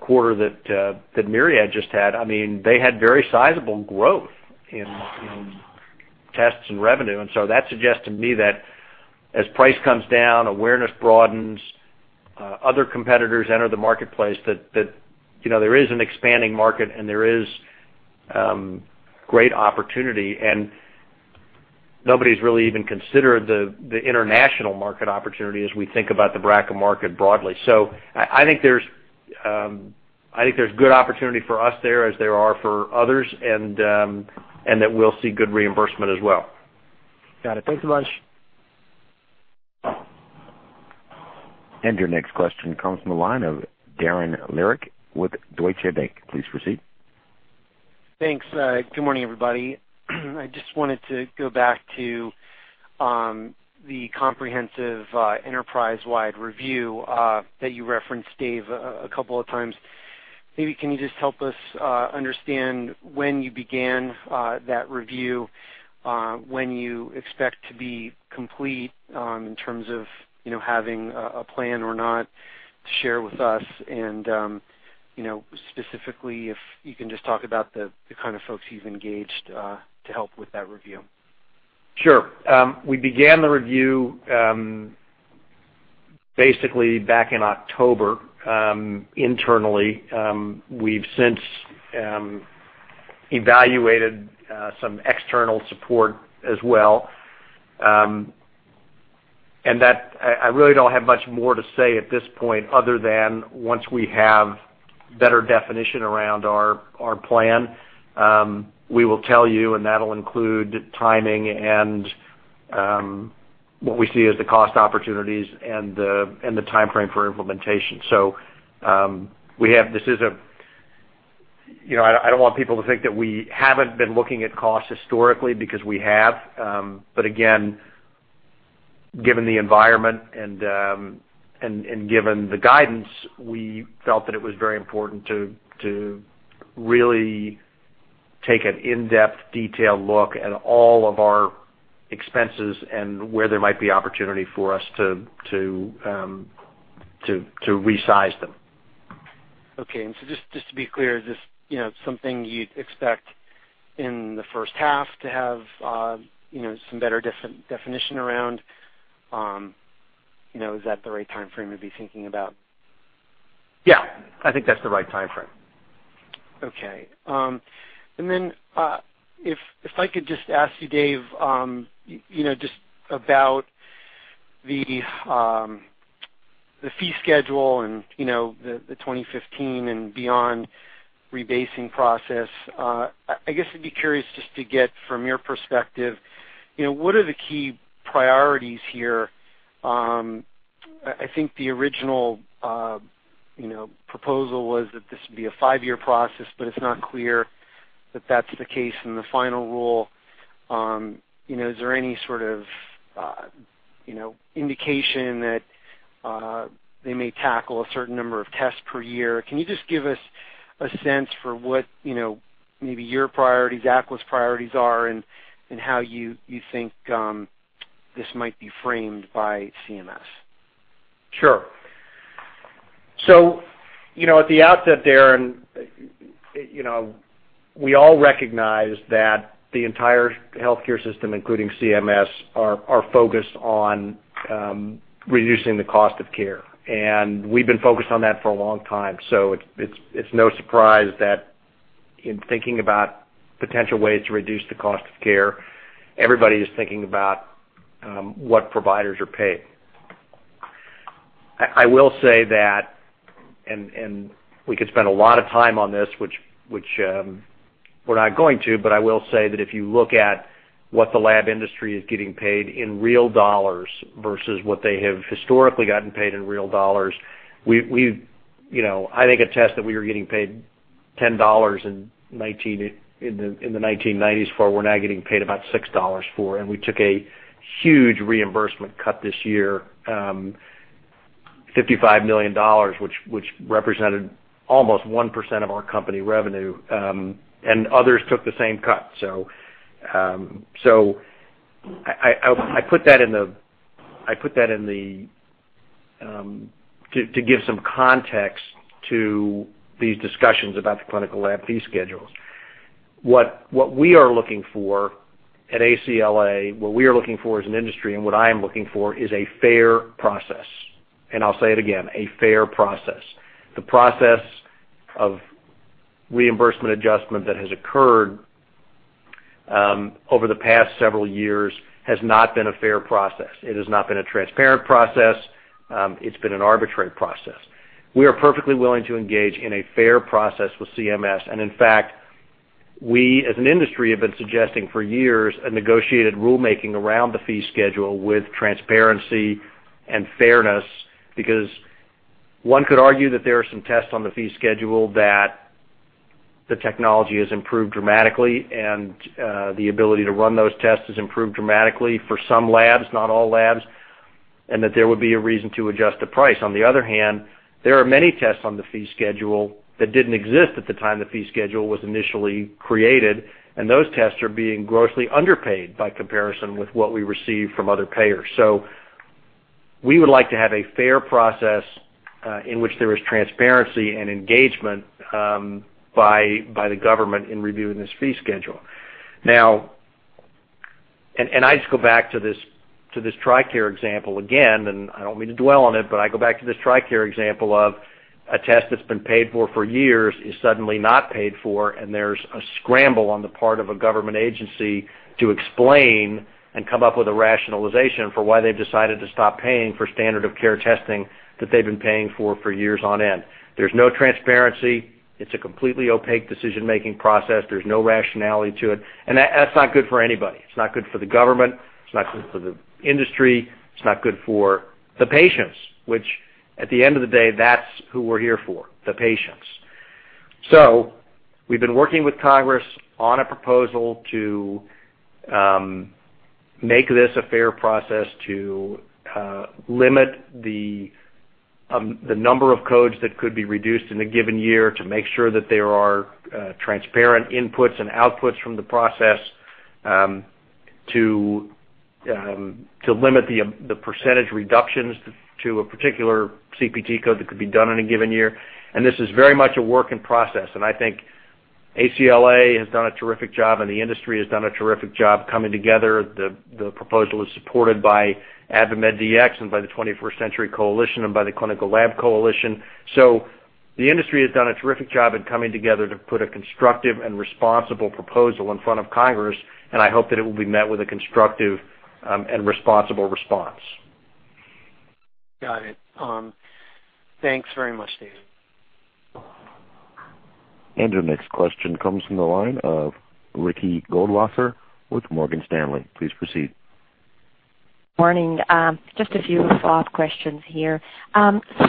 quarter that Myriad just had, I mean, they had very sizable growth in tests and revenue. That suggests to me that as price comes down, awareness broadens, other competitors enter the marketplace, there is an expanding market and there is great opportunity. Nobody's really even considered the international market opportunity as we think about the BRCA market broadly. I think there's good opportunity for us there as there are for others and that we'll see good reimbursement as well. Got it. Thanks so much. Your next question comes from the line of Darren Lehrich with Deutsche Bank. Please proceed. Thanks. Good morning, everybody. I just wanted to go back to the comprehensive enterprise-wide review that you referenced, Dave, a couple of times. Maybe can you just help us understand when you began that review, when you expect to be complete in terms of having a plan or not to share with us? Specifically, if you can just talk about the kind of folks you've engaged to help with that review. Sure. We began the review basically back in October internally. We've since evaluated some external support as well. I really don't have much more to say at this point other than once we have better definition around our plan, we will tell you, and that'll include timing and what we see as the cost opportunities and the timeframe for implementation. This is a I don't want people to think that we haven't been looking at costs historically because we have. Again, given the environment and given the guidance, we felt that it was very important to really take an in-depth, detailed look at all of our expenses and where there might be opportunity for us to resize them. Okay. Just to be clear, is this something you'd expect in the first half to have some better definition around? Is that the right timeframe to be thinking about? Yeah. I think that's the right timeframe. Okay. If I could just ask you, Dave, just about the fee schedule and the 2015 and beyond rebasing process, I guess I'd be curious just to get from your perspective, what are the key priorities here? I think the original proposal was that this would be a five-year process, but it's not clear that that's the case in the final rule. Is there any sort of indication that they may tackle a certain number of tests per year? Can you just give us a sense for what maybe your priorities, ACLA's priorities are, and how you think this might be framed by CMS? Sure. At the outset, Darren, we all recognize that the entire healthcare system, including CMS, are focused on reducing the cost of care. We've been focused on that for a long time. It is no surprise that in thinking about potential ways to reduce the cost of care, everybody is thinking about what providers are paid. I will say that, and we could spend a lot of time on this, which we're not going to, but I will say that if you look at what the lab industry is getting paid in real dollars versus what they have historically gotten paid in real dollars, I think a test that we were getting paid $10 in the 1990s for, we're now getting paid about $6 for. We took a huge reimbursement cut this year, $55 million, which represented almost 1% of our company revenue. Others took the same cut. I put that in to give some context to these discussions about the clinical lab fee schedules. What we are looking for at ACLA, what we are looking for as an industry, and what I am looking for is a fair process. I will say it again, a fair process. The process of reimbursement adjustment that has occurred over the past several years has not been a fair process. It has not been a transparent process. It has been an arbitrary process. We are perfectly willing to engage in a fair process with CMS. In fact, we as an industry have been suggesting for years a negotiated rulemaking around the fee schedule with transparency and fairness because one could argue that there are some tests on the fee schedule that the technology has improved dramatically and the ability to run those tests has improved dramatically for some labs, not all labs, and that there would be a reason to adjust the price. On the other hand, there are many tests on the fee schedule that did not exist at the time the fee schedule was initially created, and those tests are being grossly underpaid by comparison with what we receive from other payers. We would like to have a fair process in which there is transparency and engagement by the government in reviewing this fee schedule. Now, and I just go back to this TRICARE example again, and I do not mean to dwell on it, but I go back to this TRICARE example of a test that has been paid for for years is suddenly not paid for, and there is a scramble on the part of a government agency to explain and come up with a rationalization for why they have decided to stop paying for standard of care testing that they have been paying for for years on end. There is no transparency. It is a completely opaque decision-making process. There is no rationality to it. That is not good for anybody. It is not good for the government. It is not good for the industry. It is not good for the patients, which at the end of the day, that is who we are here for, the patients. We have been working with congress on a proposal to make this a fair process to limit the number of codes that could be reduced in a given year to make sure that there are transparent inputs and outputs from the process, to limit the percentage reductions to a particular CPT code that could be done in a given year. This is very much a work in process. I think ACLA has done a terrific job, and the industry has done a terrific job coming together. The proposal is supported by AdvaMedDX, the 21st Century Coalition, and the Clinical Lab Coalition. The industry has done a terrific job in coming together to put a constructive and responsible proposal in front of congress, and I hope that it will be met with a constructive and responsible response. Got it. Thanks very much, Dave. Your next question comes from the line of Ricky Goldwasser with Morgan Stanley. Please proceed. Morning. Just a few follow-up questions here.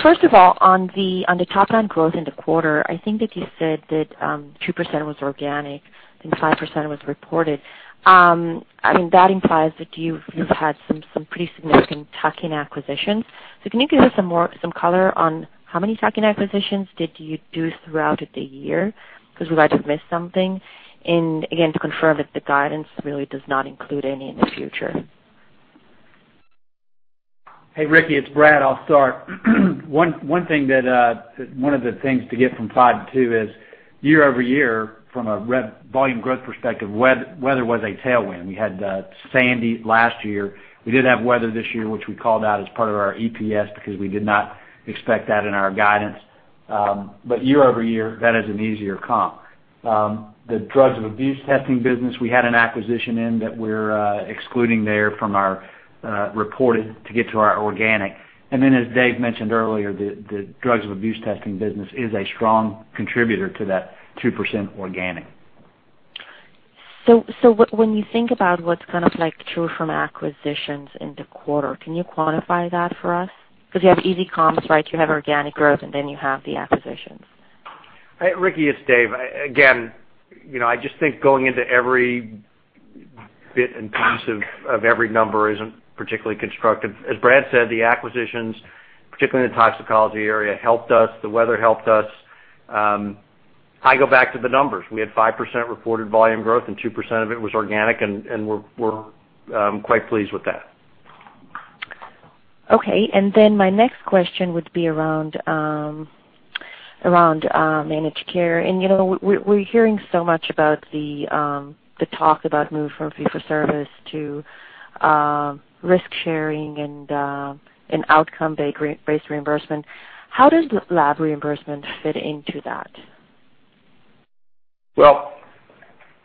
First of all, on the top-down growth in the quarter, I think that you said that 2% was organic and 5% was reported. I mean, that implies that you've had some pretty significant token acquisitions. Can you give us some color on how many token acquisitions did you do throughout the year? We might have missed something. Again, to confirm that the guidance really does not include any in the future. Hey, Ricky, it's Brad. I'll start. One thing that one of the things to get from five to two is year-over-year, from a volume growth perspective, weather was a tailwind. We had Sandy last year. We did have weather this year, which we called out as part of our EPS because we did not expect that in our guidance. year-over-year, that is an easier comp. The drugs of abuse testing business, we had an acquisition in that we're excluding there from our reported to get to our organic. As Dave mentioned earlier, the drugs of abuse testing business is a strong contributor to that 2% organic. When you think about what's kind of like true from acquisitions in the quarter, can you quantify that for us? Because you have easy comps, right? You have organic growth, and then you have the acquisitions. Hey, Ricky, it's Dave. Again, I just think going into every bit and piece of every number isn't particularly constructive. As Brad said, the acquisitions, particularly in the toxicology area, helped us. The weather helped us. I go back to the numbers. We had 5% reported volume growth, and 2% of it was organic, and we're quite pleased with that. Okay. My next question would be around managed care. We're hearing so much about the talk about moving from fee-for-service to risk-sharing and outcome-based reimbursement. How does lab reimbursement fit into that?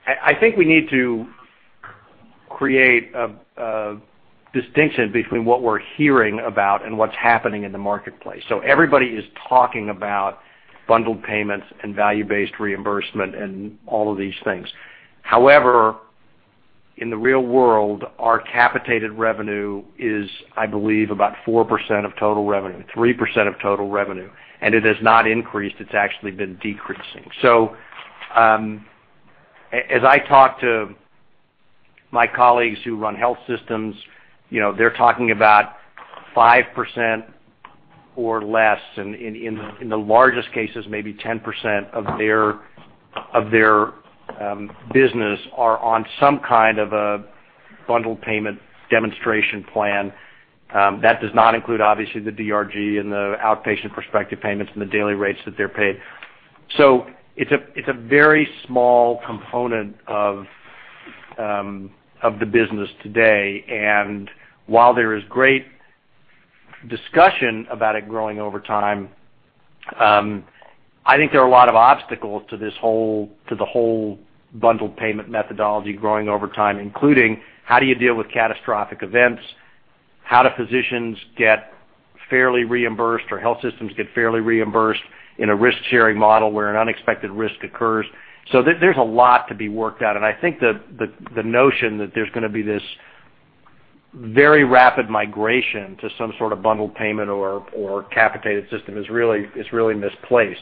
I think we need to create a distinction between what we're hearing about and what's happening in the marketplace. Everybody is talking about bundled payments and value-based reimbursement and all of these things. However, in the real world, our capitated revenue is, I believe, about 4% of total revenue, 3% of total revenue. It has not increased. It's actually been decreasing. As I talk to my colleagues who run health systems, they're talking about 5% or less. In the largest cases, maybe 10% of their business are on some kind of a bundled payment demonstration plan. That does not include, obviously, the DRG and the outpatient prospective payments and the daily rates that they're paid. It's a very small component of the business today. While there is great discussion about it growing over time, I think there are a lot of obstacles to the whole bundled payment methodology growing over time, including how do you deal with catastrophic events, how do physicians get fairly reimbursed, or health systems get fairly reimbursed in a risk-sharing model where an unexpected risk occurs. There is a lot to be worked out. I think the notion that there is going to be this very rapid migration to some sort of bundled payment or capitated system is really misplaced.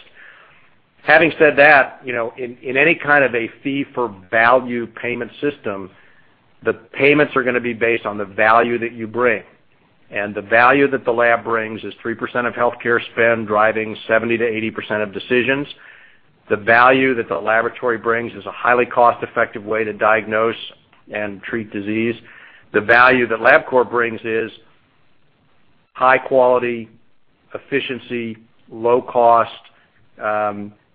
Having said that, in any kind of a fee-for-value payment system, the payments are going to be based on the value that you bring. The value that the lab brings is 3% of healthcare spend driving 70%-80% of decisions. The value that the laboratory brings is a highly cost-effective way to diagnose and treat disease. The value that Labcorp brings is high quality, efficiency, low cost,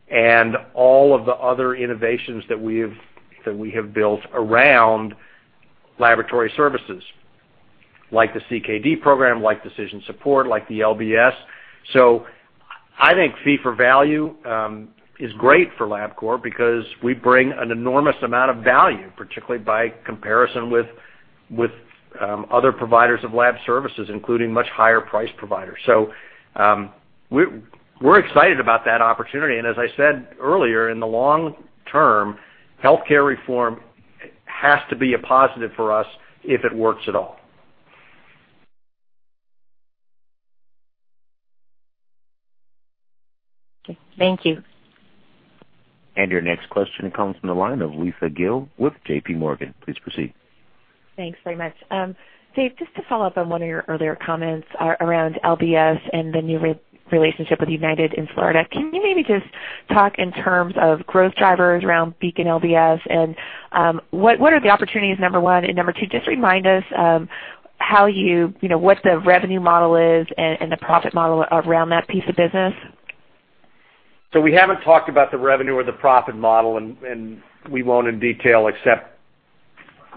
and all of the other innovations that we have built around laboratory services, like the CKD program, like decision support, like the LBS. I think fee-for-value is great for Labcorp because we bring an enormous amount of value, particularly by comparison with other providers of lab services, including much higher-priced providers. We are excited about that opportunity. As I said earlier, in the long term, healthcare reform has to be a positive for us if it works at all. Thank you. Your next question comes from the line of Lisa Gill with JPMorgan. Please proceed. Thanks very much. Dave, just to follow up on one of your earlier comments around LBS and the new relationship with United in Florida, can you maybe just talk in terms of growth drivers around Beacon LBS? What are the opportunities, number one? Number two, just remind us how you, what the revenue model is and the profit model around that piece of business. We have not talked about the revenue or the profit model, and we will not in detail except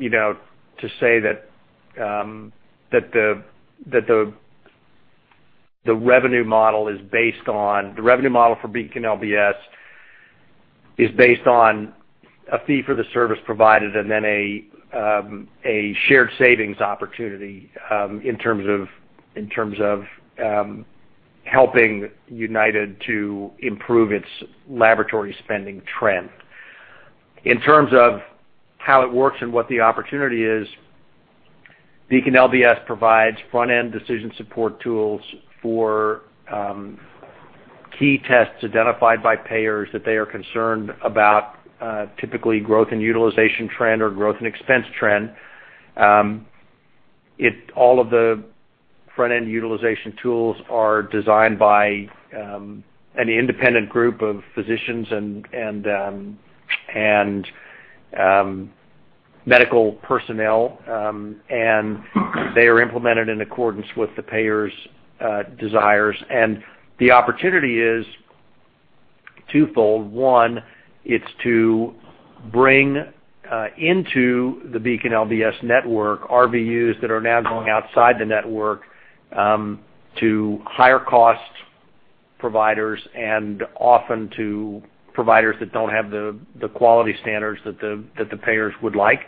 to say that the revenue model for Beacon LBS is based on a fee-for-the-service provided and then a shared savings opportunity in terms of helping United to improve its laboratory spending trend. In terms of how it works and what the opportunity is, Beacon LBS provides front-end decision support tools for key tests identified by payers that they are concerned about, typically growth and utilization trend or growth and expense trend. All of the front-end utilization tools are designed by an independent group of physicians and medical personnel, and they are implemented in accordance with the payers' desires. The opportunity is twofold. One, it's to bring into the Beacon LBS network RVUs that are now going outside the network to higher-cost providers and often to providers that don't have the quality standards that the payers would like.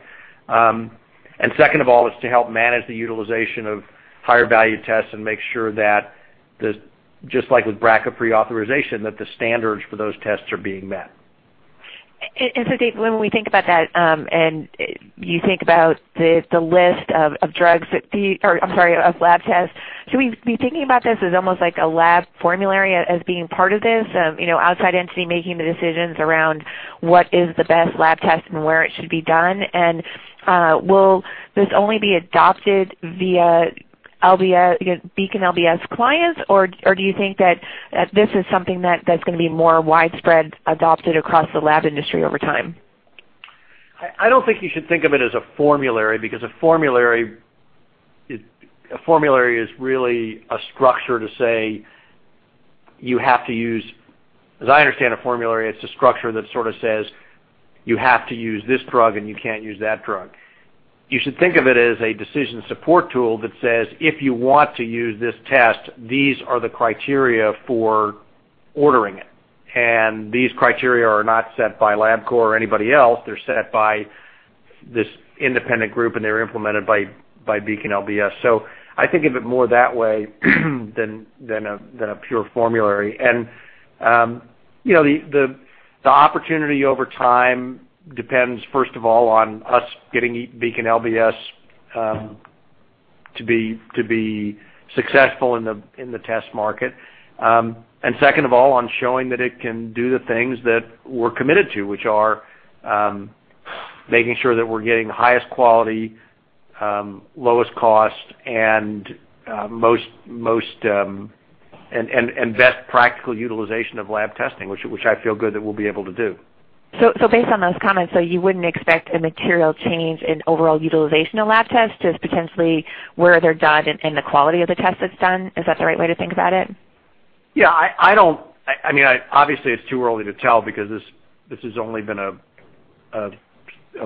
Second of all, it's to help manage the utilization of higher-value tests and make sure that, just like with BRCA pre-authorization, the standards for those tests are being met. Dave, when we think about that and you think about the list of drugs that the, or I'm sorry, of lab tests, should we be thinking about this as almost like a lab formulary as being part of this, outside entity making the decisions around what is the best lab test and where it should be done? Will this only be adopted via Beacon LBS clients, or do you think that this is something that's going to be more widespread adopted across the lab industry over time? I don't think you should think of it as a formulary because a formulary is really a structure to say you have to use, as I understand a formulary, it's a structure that sort of says you have to use this drug and you can't use that drug. You should think of it as a decision support tool that says, "If you want to use this test, these are the criteria for ordering it." And these criteria are not set by Labcorp or anybody else. They're set by this independent group, and they're implemented by Beacon LBS. I think of it more that way than a pure formulary. The opportunity over time depends, first of all, on us getting Beacon LBS to be successful in the test market. Second of all, on showing that it can do the things that we're committed to, which are making sure that we're getting the highest quality, lowest cost, and best practical utilization of lab testing, which I feel good that we'll be able to do. Based on those comments, you wouldn't expect a material change in overall utilization of lab tests, just potentially where they're done and the quality of the test that's done. Is that the right way to think about it? Yeah. I mean, obviously, it's too early to tell because this has only been a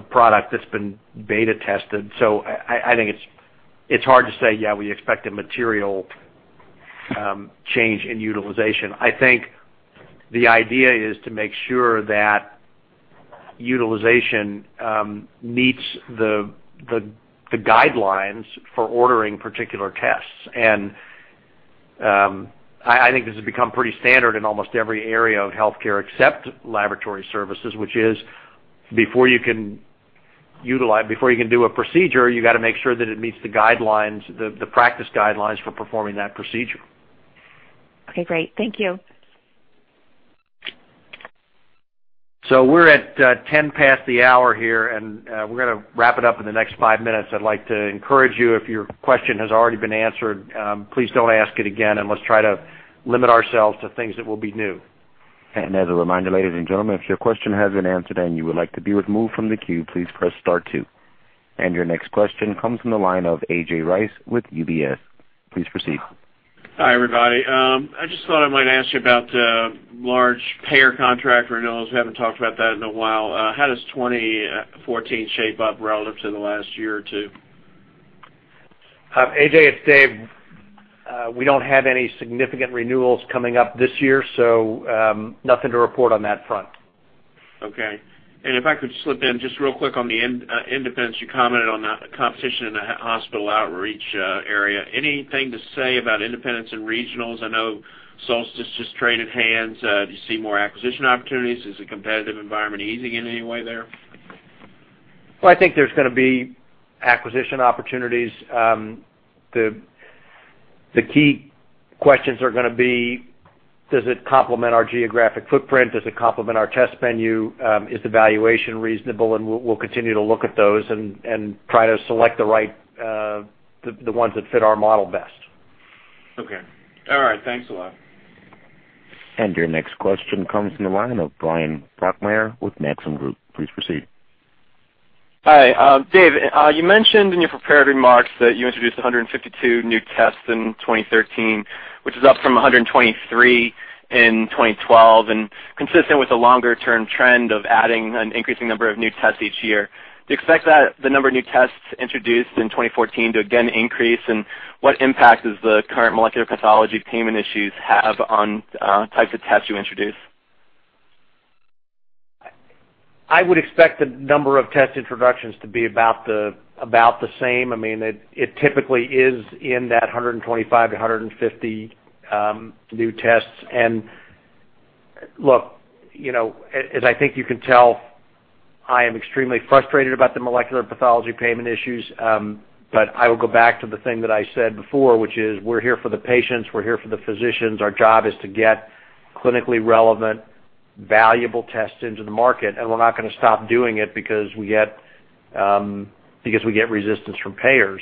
product that's been beta tested. I think it's hard to say, "Yeah, we expect a material change in utilization." I think the idea is to make sure that utilization meets the guidelines for ordering particular tests. I think this has become pretty standard in almost every area of healthcare except laboratory services, which is before you can utilize, before you can do a procedure, you got to make sure that it meets the practice guidelines for performing that procedure. Okay. Great. Thank you. We're at 10 past the hour here, and we're going to wrap it up in the next five minutes. I'd like to encourage you, if your question has already been answered, please don't ask it again, and let's try to limit ourselves to things that will be new. As a reminder, ladies and gentlemen, if your question has been answered and you would like to be removed from the queue, please press star two. Your next question comes from the line of A.J. Rice with UBS. Please proceed. Hi, everybody. I just thought I might ask you about large payer contract renewals. We haven't talked about that in a while. How does 2014 shape up relative to the last year or two? A.J., it's Dave. We don't have any significant renewals coming up this year, so nothing to report on that front. Okay. If I could slip in just real quick on the independents, you commented on the competition in the hospital outreach area. Anything to say about independents and regionals? I know Solstice just traded hands. Do you see more acquisition opportunities? Is the competitive environment easing in any way there? I think there's going to be acquisition opportunities. The key questions are going to be, does it complement our geographic footprint? Does it complement our test venue? Is the valuation reasonable? We'll continue to look at those and try to select the ones that fit our model best. Okay. All right. Thanks a lot. Your next question comes from the line of Bryan Brokmeier with Maxim Group. Please proceed. Hi. Dave, you mentioned in your prepared remarks that you introduced 152 new tests in 2013, which is up from 123 in 2012 and consistent with a longer-term trend of adding an increasing number of new tests each year. Do you expect that the number of new tests introduced in 2014 to again increase? What impact does the current molecular pathology payment issues have on types of tests you introduce? I would expect the number of test introductions to be about the same. I mean, it typically is in that 125-150 new tests. Look, as I think you can tell, I am extremely frustrated about the molecular pathology payment issues, but I will go back to the thing that I said before, which is we're here for the patients. We're here for the physicians. Our job is to get clinically relevant, valuable tests into the market. We're not going to stop doing it because we get resistance from payers.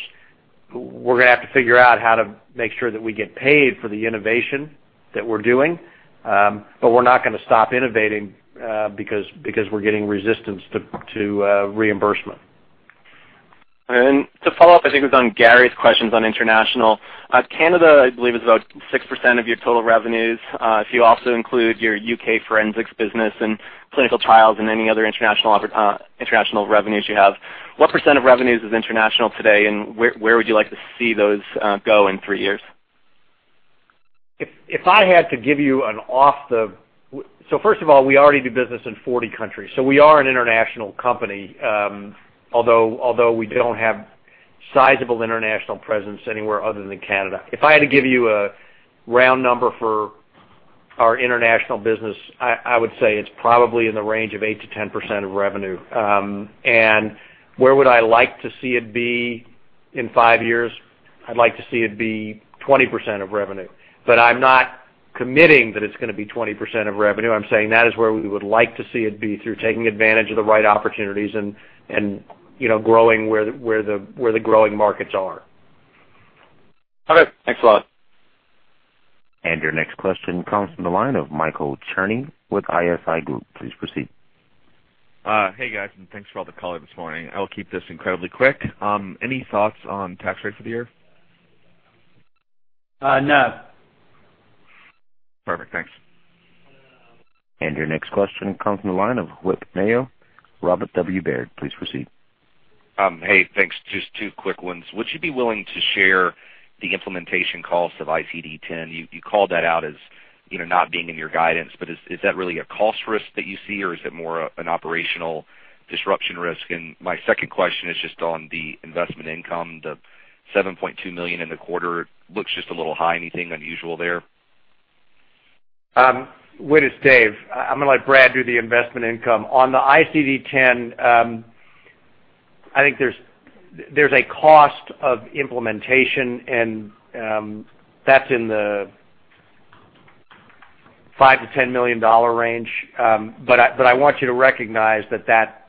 We're going to have to figure out how to make sure that we get paid for the innovation that we're doing. We're not going to stop in novating because we're getting resistance to reimbursement. To follow up, I think it was on Gary's questions on international. Canada, I believe, is about 6% of your total revenues. If you also include your U.K. forensics business and clinical trials and any other international revenues you have, what percent of revenues is international today? Where would you like to see those go in three years? If I had to give you an off the, so first of all, we already do business in 40 countries. We are an international company, although we do not have sizable international presence anywhere other than Canada. If I had to give you a round number for our international business, I would say it is probably in the range of 8%-10% of revenue. Where would I like to see it be in five years? I would like to see it be 20% of revenue. I am not committing that it is going to be 20% of revenue. I am saying that is where we would like to see it be through taking advantage of the right opportunities and growing where the growing markets are. Okay. Thanks a lot. Your next question comes from the line of Michael Cherney with ISI Group. Please proceed. Hey, guys. Thanks for all the color this morning. I will keep this incredibly quick. Any thoughts on tax rates for the year? No. Perfect. Thanks. Your next question comes from the line of Whit Mayo. Robert W. Baird. Please proceed. Hey, thanks. Just two quick ones. Would you be willing to share the implementation cost of ICD-10? You called that out as not being in your guidance, but is that really a cost risk that you see, or is it more an operational disruption risk? My second question is just on the investment income. The $7.2 million in the quarter looks just a little high. Anything unusual there? With Dave, I'm going to let Brad do the investment income. On the ICD-10, I think there's a cost of implementation, and that's in the $5 million-$10 million range. But I want you to recognize that that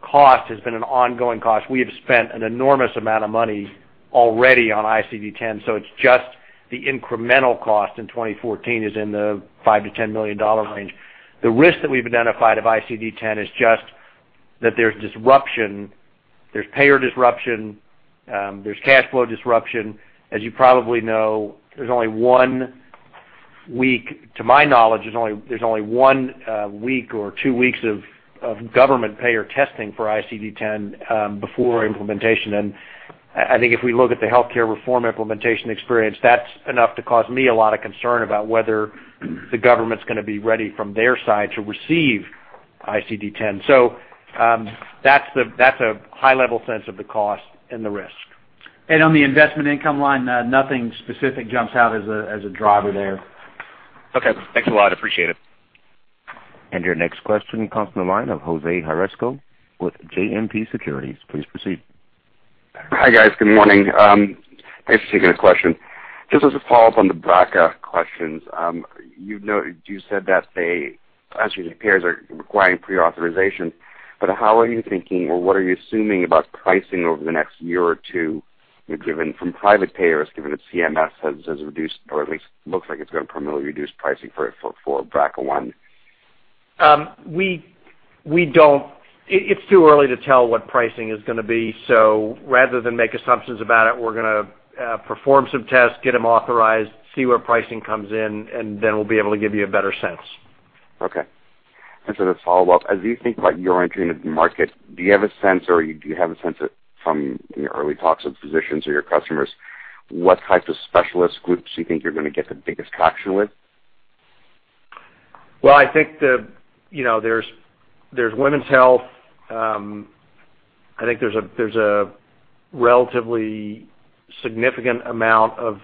cost has been an ongoing cost. We have spent an enormous amount of money already on ICD-10, so it's just the incremental cost in 2014 is in the $5 million-$10 million range. The risk that we've identified of ICD-10 is just that there's disruption. There's payer disruption. There's cash flow disruption. As you probably know, there's only one week to my knowledge, there's only one week or two weeks of government payer testing for ICD-10 before implementation. I think if we look at the healthcare reform implementation experience, that's enough to cause me a lot of concern about whether the government's going to be ready from their side to receive ICD-10. That's a high-level sense of the cost and the risk. On the investment income line, nothing specific jumps out as a driver there. Okay. Thanks a lot. Appreciate it. Your next question comes from the line of Jose Haresco with JMP Securities. Please proceed. Hi, guys. Good morning. Thanks for taking the question. Just as a follow-up on the BRCA questions, you said that the payers are requiring pre-authorization. How are you thinking, or what are you assuming about pricing over the next year or two, given from private payers, given that CMS has reduced, or at least looks like it's going to permanently reduce pricing for BRCA1? It's too early to tell what pricing is going to be. So rather than make assumptions about it, we're going to perform some tests, get them authorized, see where pricing comes in, and then we'll be able to give you a better sense. Okay. To follow up, as you think about your entry into the market, do you have a sense, or do you have a sense from your early talks with physicians or your customers, what type of specialist groups do you think you're going to get the biggest traction with? I think there's women's health. I think there's a relatively significant amount of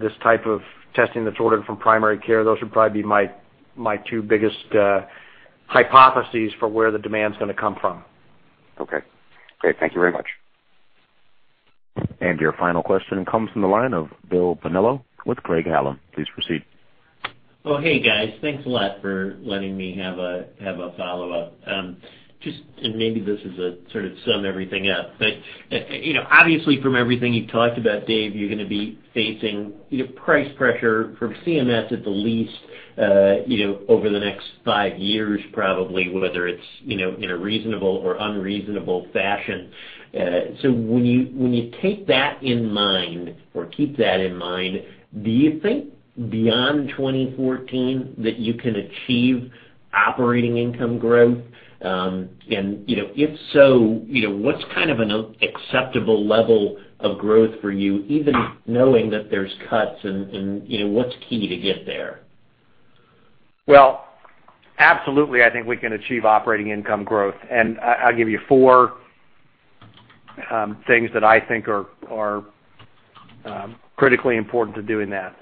this type of testing that's ordered from primary care. Those would probably be my two biggest hypotheses for where the demand's going to come from. Okay. Great. Thank you very much. Your final question comes from the line of Will Bonello with Craig-Hallum. Please proceed. Hey, guys. Thanks a lot for letting me have a follow-up. Maybe this is a sort of sum everything up. Obviously, from everything you've talked about, Dave, you're going to be facing price pressure from CMS at the least over the next five years, probably, whether it's in a reasonable or unreasonable fashion. When you take that in mind or keep that in mind, do you think beyond 2014 that you can achieve operating income growth? If so, what's kind of an acceptable level of growth for you, even knowing that there's cuts, and what's key to get there? I think we can achieve operating income growth. I'll give you four things that I think are critically important to doing that.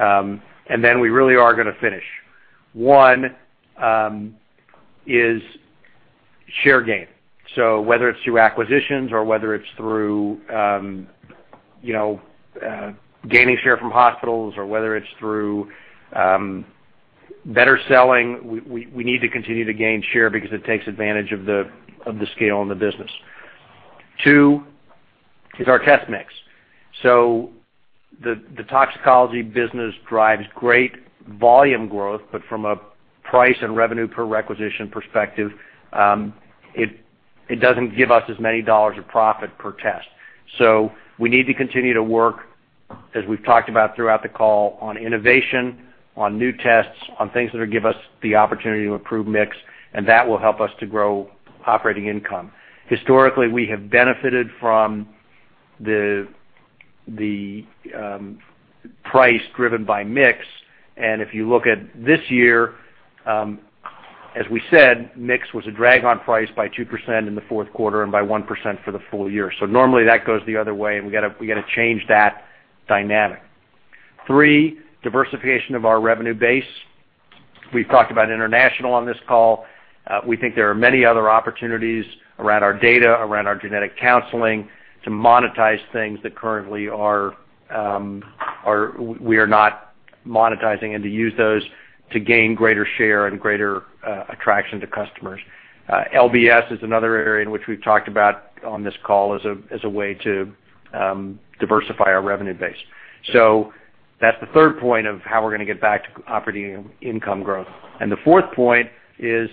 We really are going to finish. One is share gain. Whether it's through acquisitions or whether it's through gaining share from hospitals or whether it's through better selling, we need to continue to gain share because it takes advantage of the scale in the business. Two is our test mix. The toxicology business drives great volume growth, but from a price and revenue per requisition perspective, it does not give us as many dollars of profit per test. We need to continue to work, as we've talked about throughout the call, on innovation, on new tests, on things that will give us the opportunity to improve mix, and that will help us to grow operating income. Historically, we have benefited from the price driven by mix. If you look at this year, as we said, mix was a drag on price by 2% in the fourth quarter and by 1% for the full year. Normally, that goes the other way, and we got to change that dynamic. Three, diversification of our revenue base. We've talked about international on this call. We think there are many other opportunities around our data, around our genetic counseling to monetize things that currently we are not monetizing and to use those to gain greater share and greater attraction to customers. LBS is another area in which we've talked about on this call as a way to diversify our revenue base. That's the third point of how we're going to get back to operating income growth. The fourth point is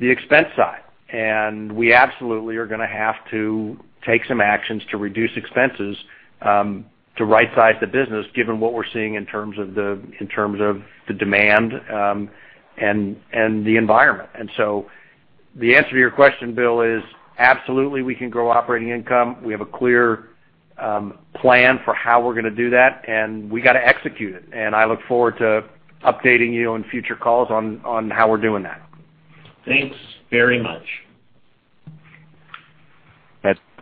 the expense side. We absolutely are going to have to take some actions to reduce expenses to right-size the business, given what we're seeing in terms of the demand and the environment. The answer to your question, Will, is absolutely we can grow operating income. We have a clear plan for how we're going to do that, and we got to execute it. I look forward to updating you on future calls on how we're doing that. Thanks very much.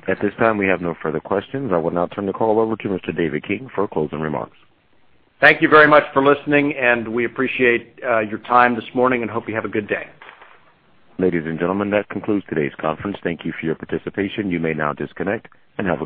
At this time, we have no further questions. I will now turn the call over to Mr. David King for closing remarks. Thank you very much for listening, and we appreciate your time this morning and hope you have a good day. Ladies and gentlemen, that concludes today's conference. Thank you for your participation. You may now disconnect and have a good day.